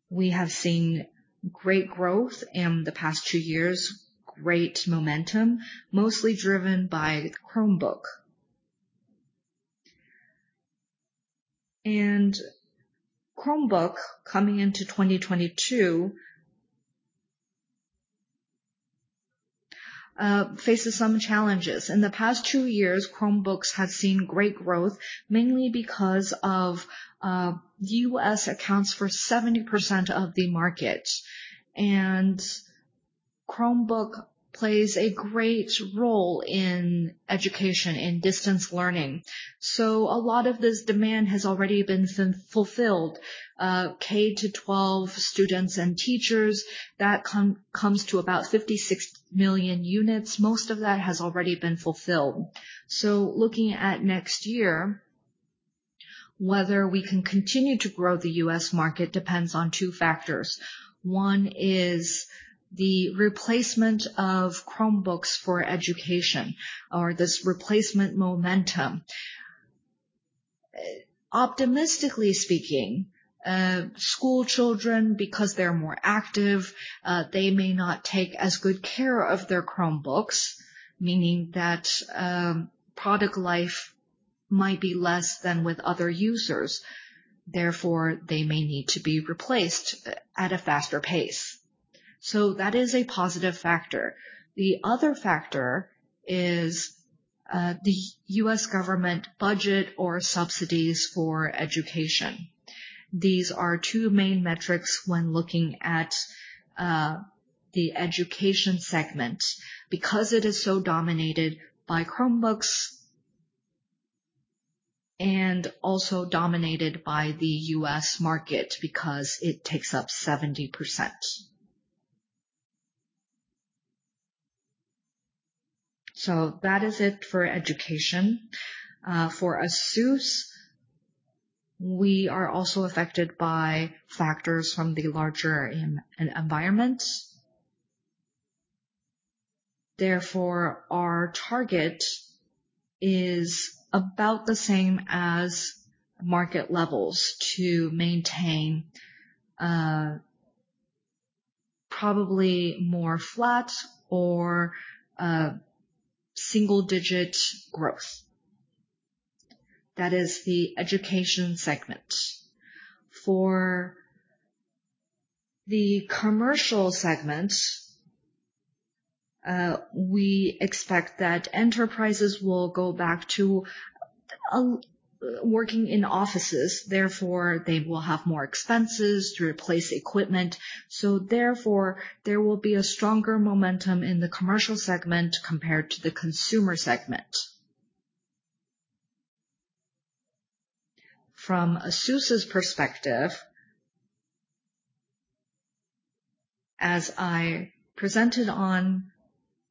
we have seen great growth in the past two years, great momentum, mostly driven by Chromebook. Chromebook, coming into 2022, faces some challenges. In the past two years, Chromebooks have seen great growth, mainly because U.S. accounts for 70% of the market. Chromebook plays a great role in education, in distance learning. A lot of this demand has already been fulfilled. K-12 students and teachers, that comes to about 56 million units. Most of that has already been fulfilled. Looking at next year, whether we can continue to grow the U.S. market depends on two factors. One is the replacement of Chromebooks for education or this replacement momentum. Optimistically speaking, school children, because they're more active, they may not take as good care of their Chromebooks, meaning that, product life might be less than with other users. Therefore, they may need to be replaced at a faster pace. That is a positive factor. The other factor is, the U.S. government budget or subsidies for education. These are two main metrics when looking at, the education segment because it is so dominated by Chromebooks, and also dominated by the U.S. market because it takes up 70%. That is it for education. For ASUS, we are also affected by factors from the larger environment. Therefore, our target is about the same as market levels to maintain, probably more flat or a single-digit growth. That is the education segment. For the commercial segment, we expect that enterprises will go back to working in offices. They will have more expenses to replace equipment. There will be a stronger momentum in the commercial segment compared to the consumer segment. From ASUS's perspective, as I presented on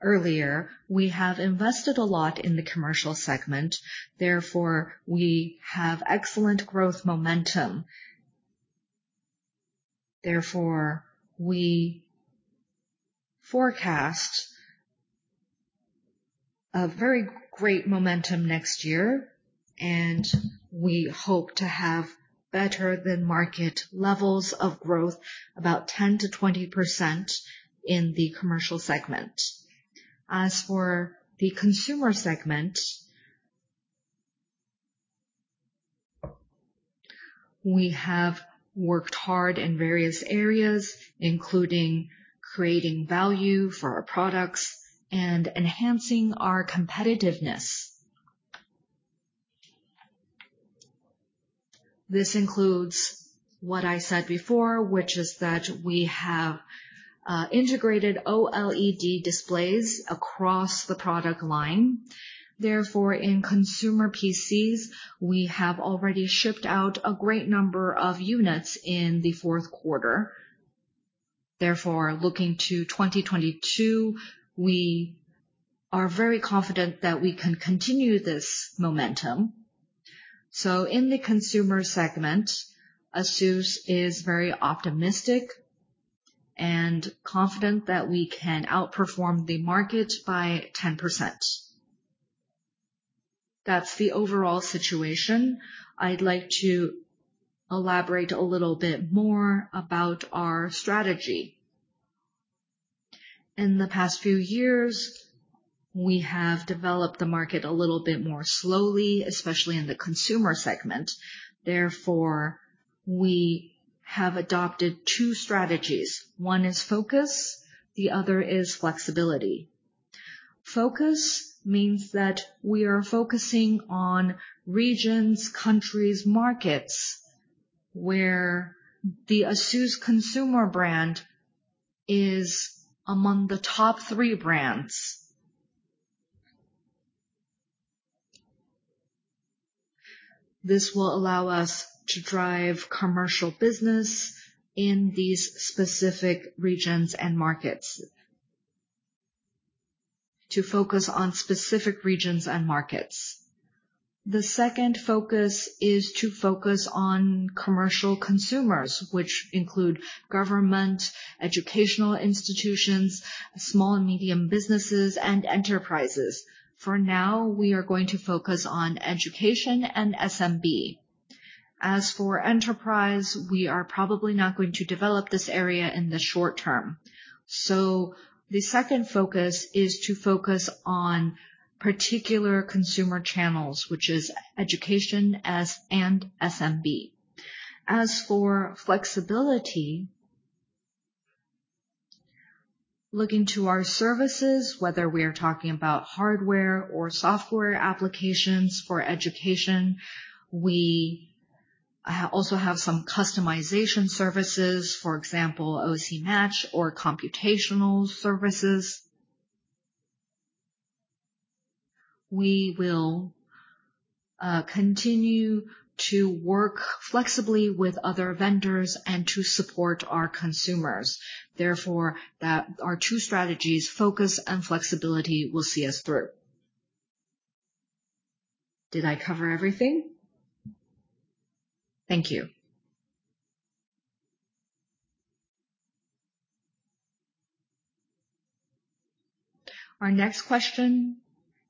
earlier, we have invested a lot in the commercial segment. We have excellent growth momentum. We forecast a very great momentum next year, and we hope to have better than market levels of growth, about 10%-20% in the commercial segment. As for the consumer segment, we have worked hard in various areas, including creating value for our products and enhancing our competitiveness. This includes what I said before, which is that we have integrated OLED displays across the product line. Therefore, in consumer PCs, we have already shipped out a great number of units in the fourth quarter. Therefore, looking to 2022, we are very confident that we can continue this momentum. In the consumer segment, ASUS is very optimistic and confident that we can outperform the market by 10%. That's the overall situation. I'd like to elaborate a little bit more about our strategy. In the past few years, we have developed the market a little bit more slowly, especially in the consumer segment. Therefore, we have adopted two strategies. One is focus, the other is flexibility. Focus means that we are focusing on regions, countries, markets, where the ASUS consumer brand is among the top three brands. This will allow us to drive commercial business in these specific regions and markets. The second focus is to focus on commercial consumers, which include government, educational institutions, small and medium businesses, and enterprises. For now, we are going to focus on education and SMB. As for enterprise, we are probably not going to develop this area in the short term. The second focus is to focus on particular consumer channels, which is education and SMB. As for flexibility, looking to our services, whether we are talking about hardware or software applications for education, we also have some customization services. For example, OC Match or computational services. We will continue to work flexibly with other vendors and to support our consumers. Therefore, our two strategies, focus and flexibility, will see us through. Did I cover everything? Thank you. Our next question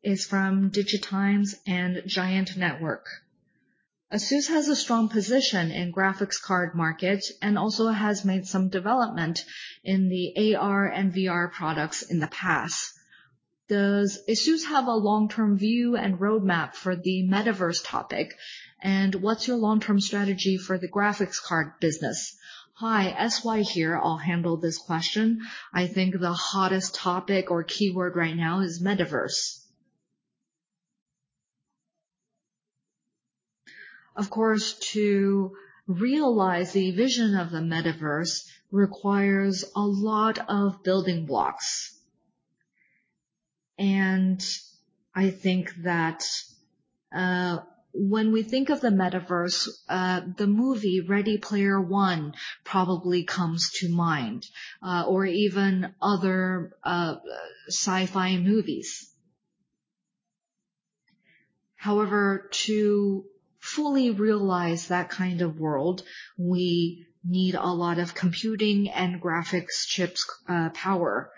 is from Digitimes and Giant Network. ASUS has a strong position in graphics card market, and also has made some development in the AR and VR products in the past. Does ASUS have a long-term view and roadmap for the metaverse topic? And what's your long-term strategy for the graphics card business? Hi. S.Y. here. I'll handle this question. I think the hottest topic or keyword right now is metaverse. Of course, to realize the vision of the metaverse requires a lot of building blocks. I think that, when we think of the metaverse, the movie Ready Player One probably comes to mind, or even other, sci-fi movies. However, to fully realize that kind of world, we need a lot of computing and graphics chips, power.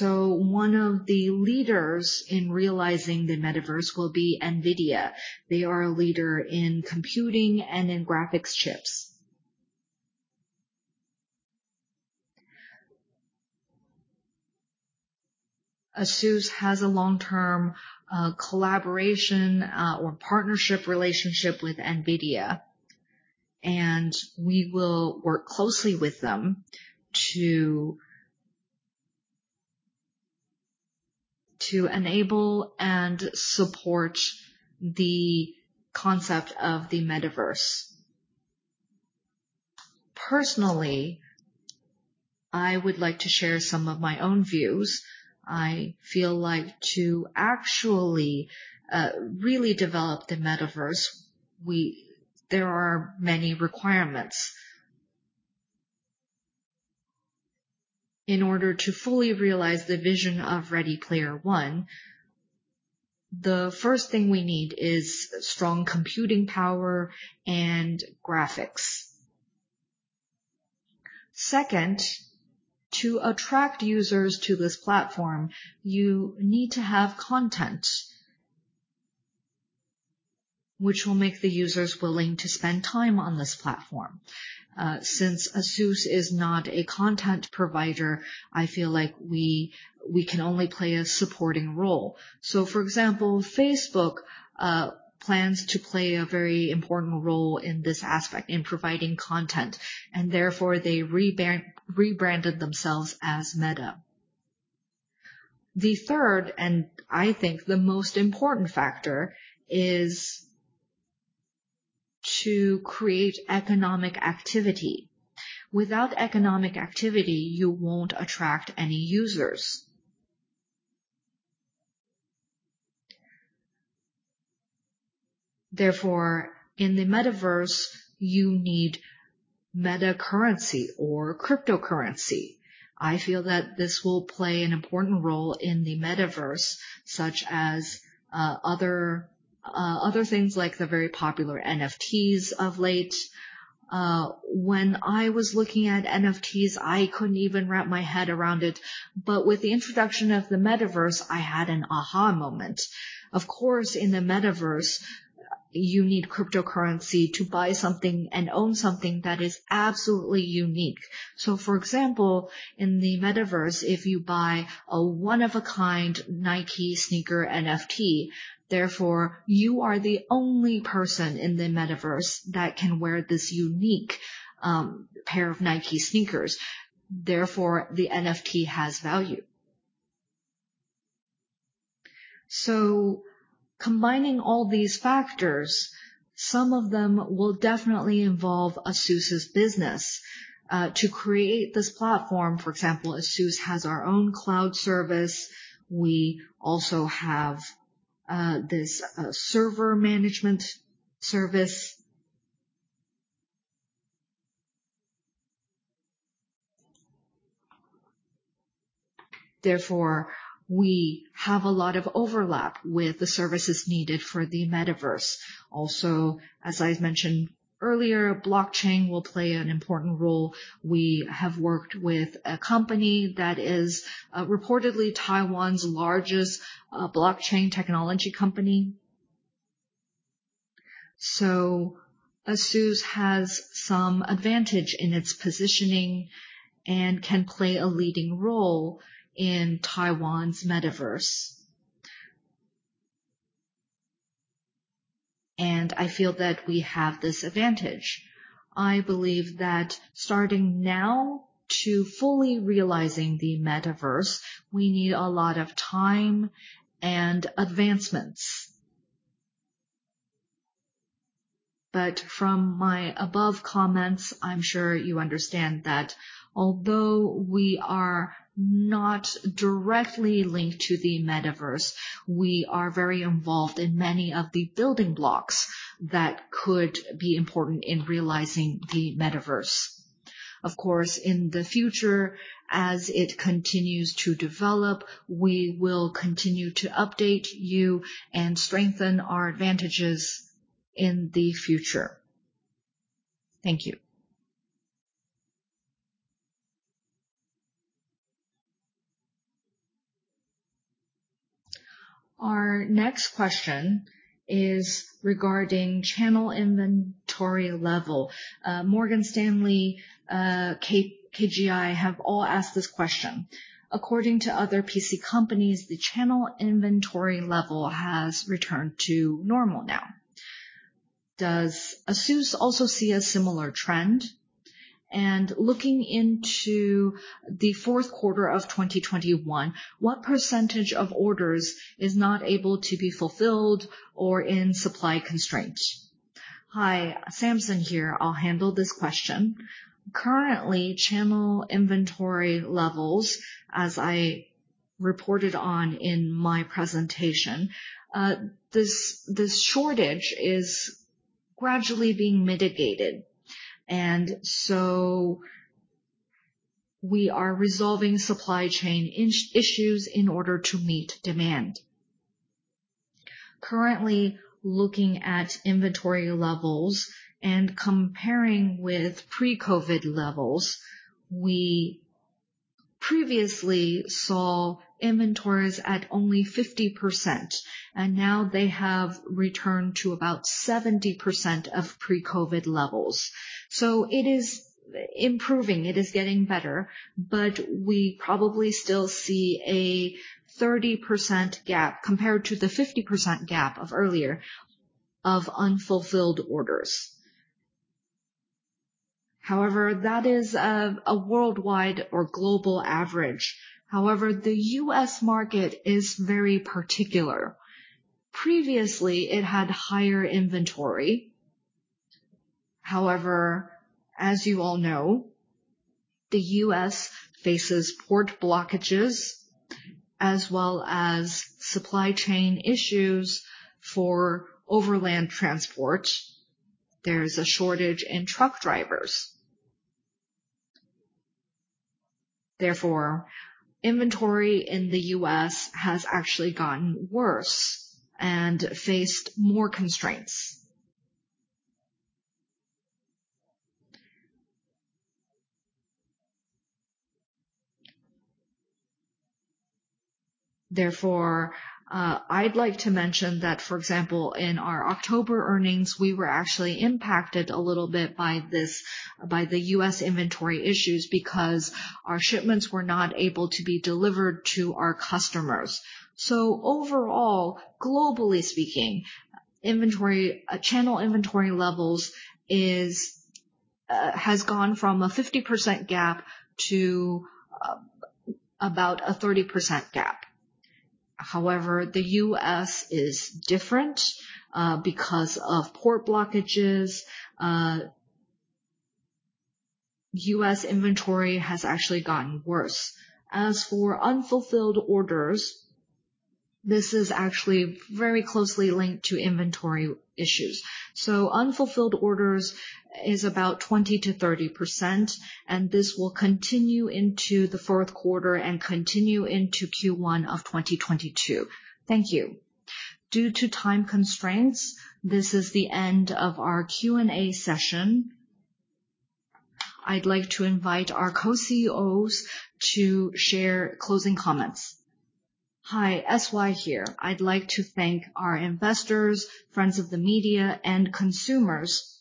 One of the leaders in realizing the metaverse will be NVIDIA. They are a leader in computing and in graphics chips. ASUS has a long-term collaboration or partnership relationship with NVIDIA, and we will work closely with them to enable and support the concept of the metaverse. Personally, I would like to share some of my own views. I feel like to actually really develop the metaverse, there are many requirements. In order to fully realize the vision of Ready Player One, the first thing we need is strong computing power and graphics. Second, to attract users to this platform, you need to have content which will make the users willing to spend time on this platform. Since ASUS is not a content provider, I feel like we can only play a supporting role. For example, Facebook plans to play a very important role in this aspect in providing content, and therefore they rebranded themselves as Meta. The third, and I think the most important factor, is to create economic activity. Without economic activity, you won't attract any users. Therefore, in the metaverse, you need meta currency or cryptocurrency. I feel that this will play an important role in the metaverse, such as other things like the very popular NFTs of late. When I was looking at NFTs, I couldn't even wrap my head around it. With the introduction of the metaverse, I had an aha moment. Of course, in the metaverse, you need cryptocurrency to buy something and own something that is absolutely unique. For example, in the metaverse, if you buy a one-of-a-kind Nike sneaker NFT, you are the only person in the metaverse that can wear this unique pair of Nike sneakers. Therefore, the NFT has value. Combining all these factors, some of them will definitely involve ASUS' business to create this platform. For example, ASUS has our own cloud service. We also have this server management service. Therefore, we have a lot of overlap with the services needed for the metaverse. Also, as I mentioned earlier, blockchain will play an important role. We have worked with a company that is reportedly Taiwan's largest blockchain technology company. ASUS has some advantage in its positioning and can play a leading role in Taiwan's metaverse. I feel that we have this advantage. I believe that starting now to fully realizing the metaverse, we need a lot of time and advancements. From my above comments, I'm sure you understand that although we are not directly linked to the metaverse, we are very involved in many of the building blocks that could be important in realizing the metaverse. Of course, in the future, as it continues to develop, we will continue to update you and strengthen our advantages in the future. Thank you. Our next question is regarding channel inventory level. Morgan Stanley, KGI have all asked this question. According to other PC companies, the channel inventory level has returned to normal now. Does ASUS also see a similar trend? Looking into the fourth quarter of 2021, what % of orders is not able to be fulfilled or in supply constraints? Hi, Samson Hu here. I'll handle this question. Currently, channel inventory levels, as I reported on in my presentation, this shortage is gradually being mitigated. We are resolving supply chain issues in order to meet demand. Currently, looking at inventory levels and comparing with pre-COVID levels, we previously saw inventories at only 50%, and now they have returned to about 70% of pre-COVID levels. It is improving. It is getting better, but we probably still see a 30% gap compared to the 50% gap earlier of unfulfilled orders. However, that is a worldwide or global average. However, the U.S. market is very particular. Previously, it had higher inventory. However, as you all know, the U.S. faces port blockages as well as supply chain issues for overland transport. There is a shortage in truck drivers. Therefore, inventory in the U.S. has actually gotten worse and faced more constraints. Therefore, I'd like to mention that, for example, in our October earnings, we were actually impacted a little bit by the U.S. inventory issues because our shipments were not able to be delivered to our customers. Overall, globally speaking, channel inventory levels has gone from a 50% gap to about a 30% gap. However, the U.S. is different because of port blockages. U.S. inventory has actually gotten worse. As for unfulfilled orders, this is actually very closely linked to inventory issues. Unfulfilled orders is about 20%-30%, and this will continue into the fourth quarter and continue into Q1 of 2022. Thank you. Due to time constraints, this is the end of our Q&A session. I'd like to invite our Co-CEOs to share closing comments. Hi. S.Y. here. I'd like to thank our investors, friends of the media and consumers.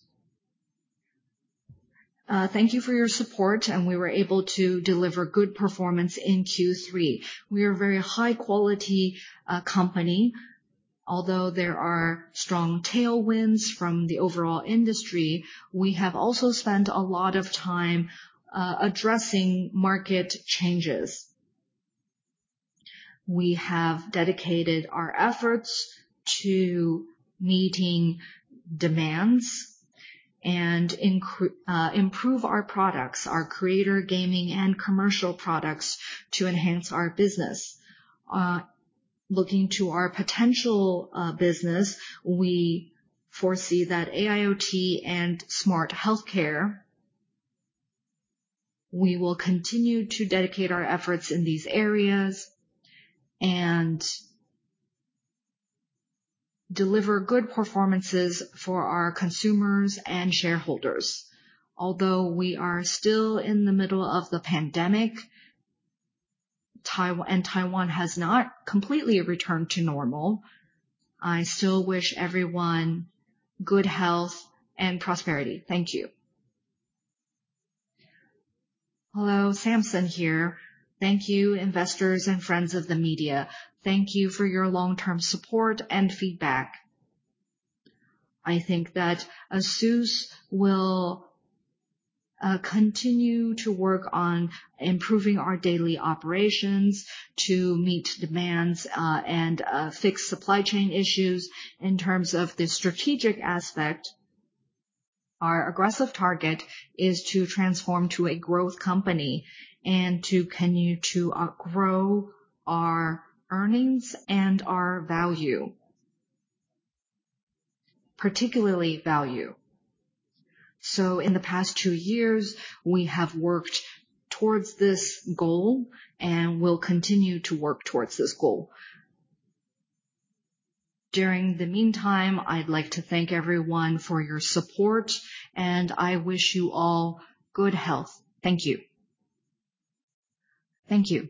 Thank you for your support, and we were able to deliver good performance in Q3. We are a very high-quality company. Although there are strong tailwinds from the overall industry, we have also spent a lot of time addressing market changes. We have dedicated our efforts to meeting demands and improve our products, our creator gaming and commercial products to enhance our business. Looking to our potential business, we foresee that AIoT and smart healthcare. We will continue to dedicate our efforts in these areas and deliver good performances for our consumers and shareholders. Although we are still in the middle of the pandemic, and Taiwan has not completely returned to normal, I still wish everyone good health and prosperity. Thank you. Hello, Samson here. Thank you, investors and friends of the media. Thank you for your long-term support and feedback. I think that ASUS will continue to work on improving our daily operations to meet demands and fix supply chain issues. In terms of the strategic aspect, our aggressive target is to transform to a growth company and to continue to grow our earnings and our value, particularly value. In the past two years, we have worked towards this goal and will continue to work towards this goal. During the meantime, I'd like to thank everyone for your support, and I wish you all good health. Thank you. Thank you.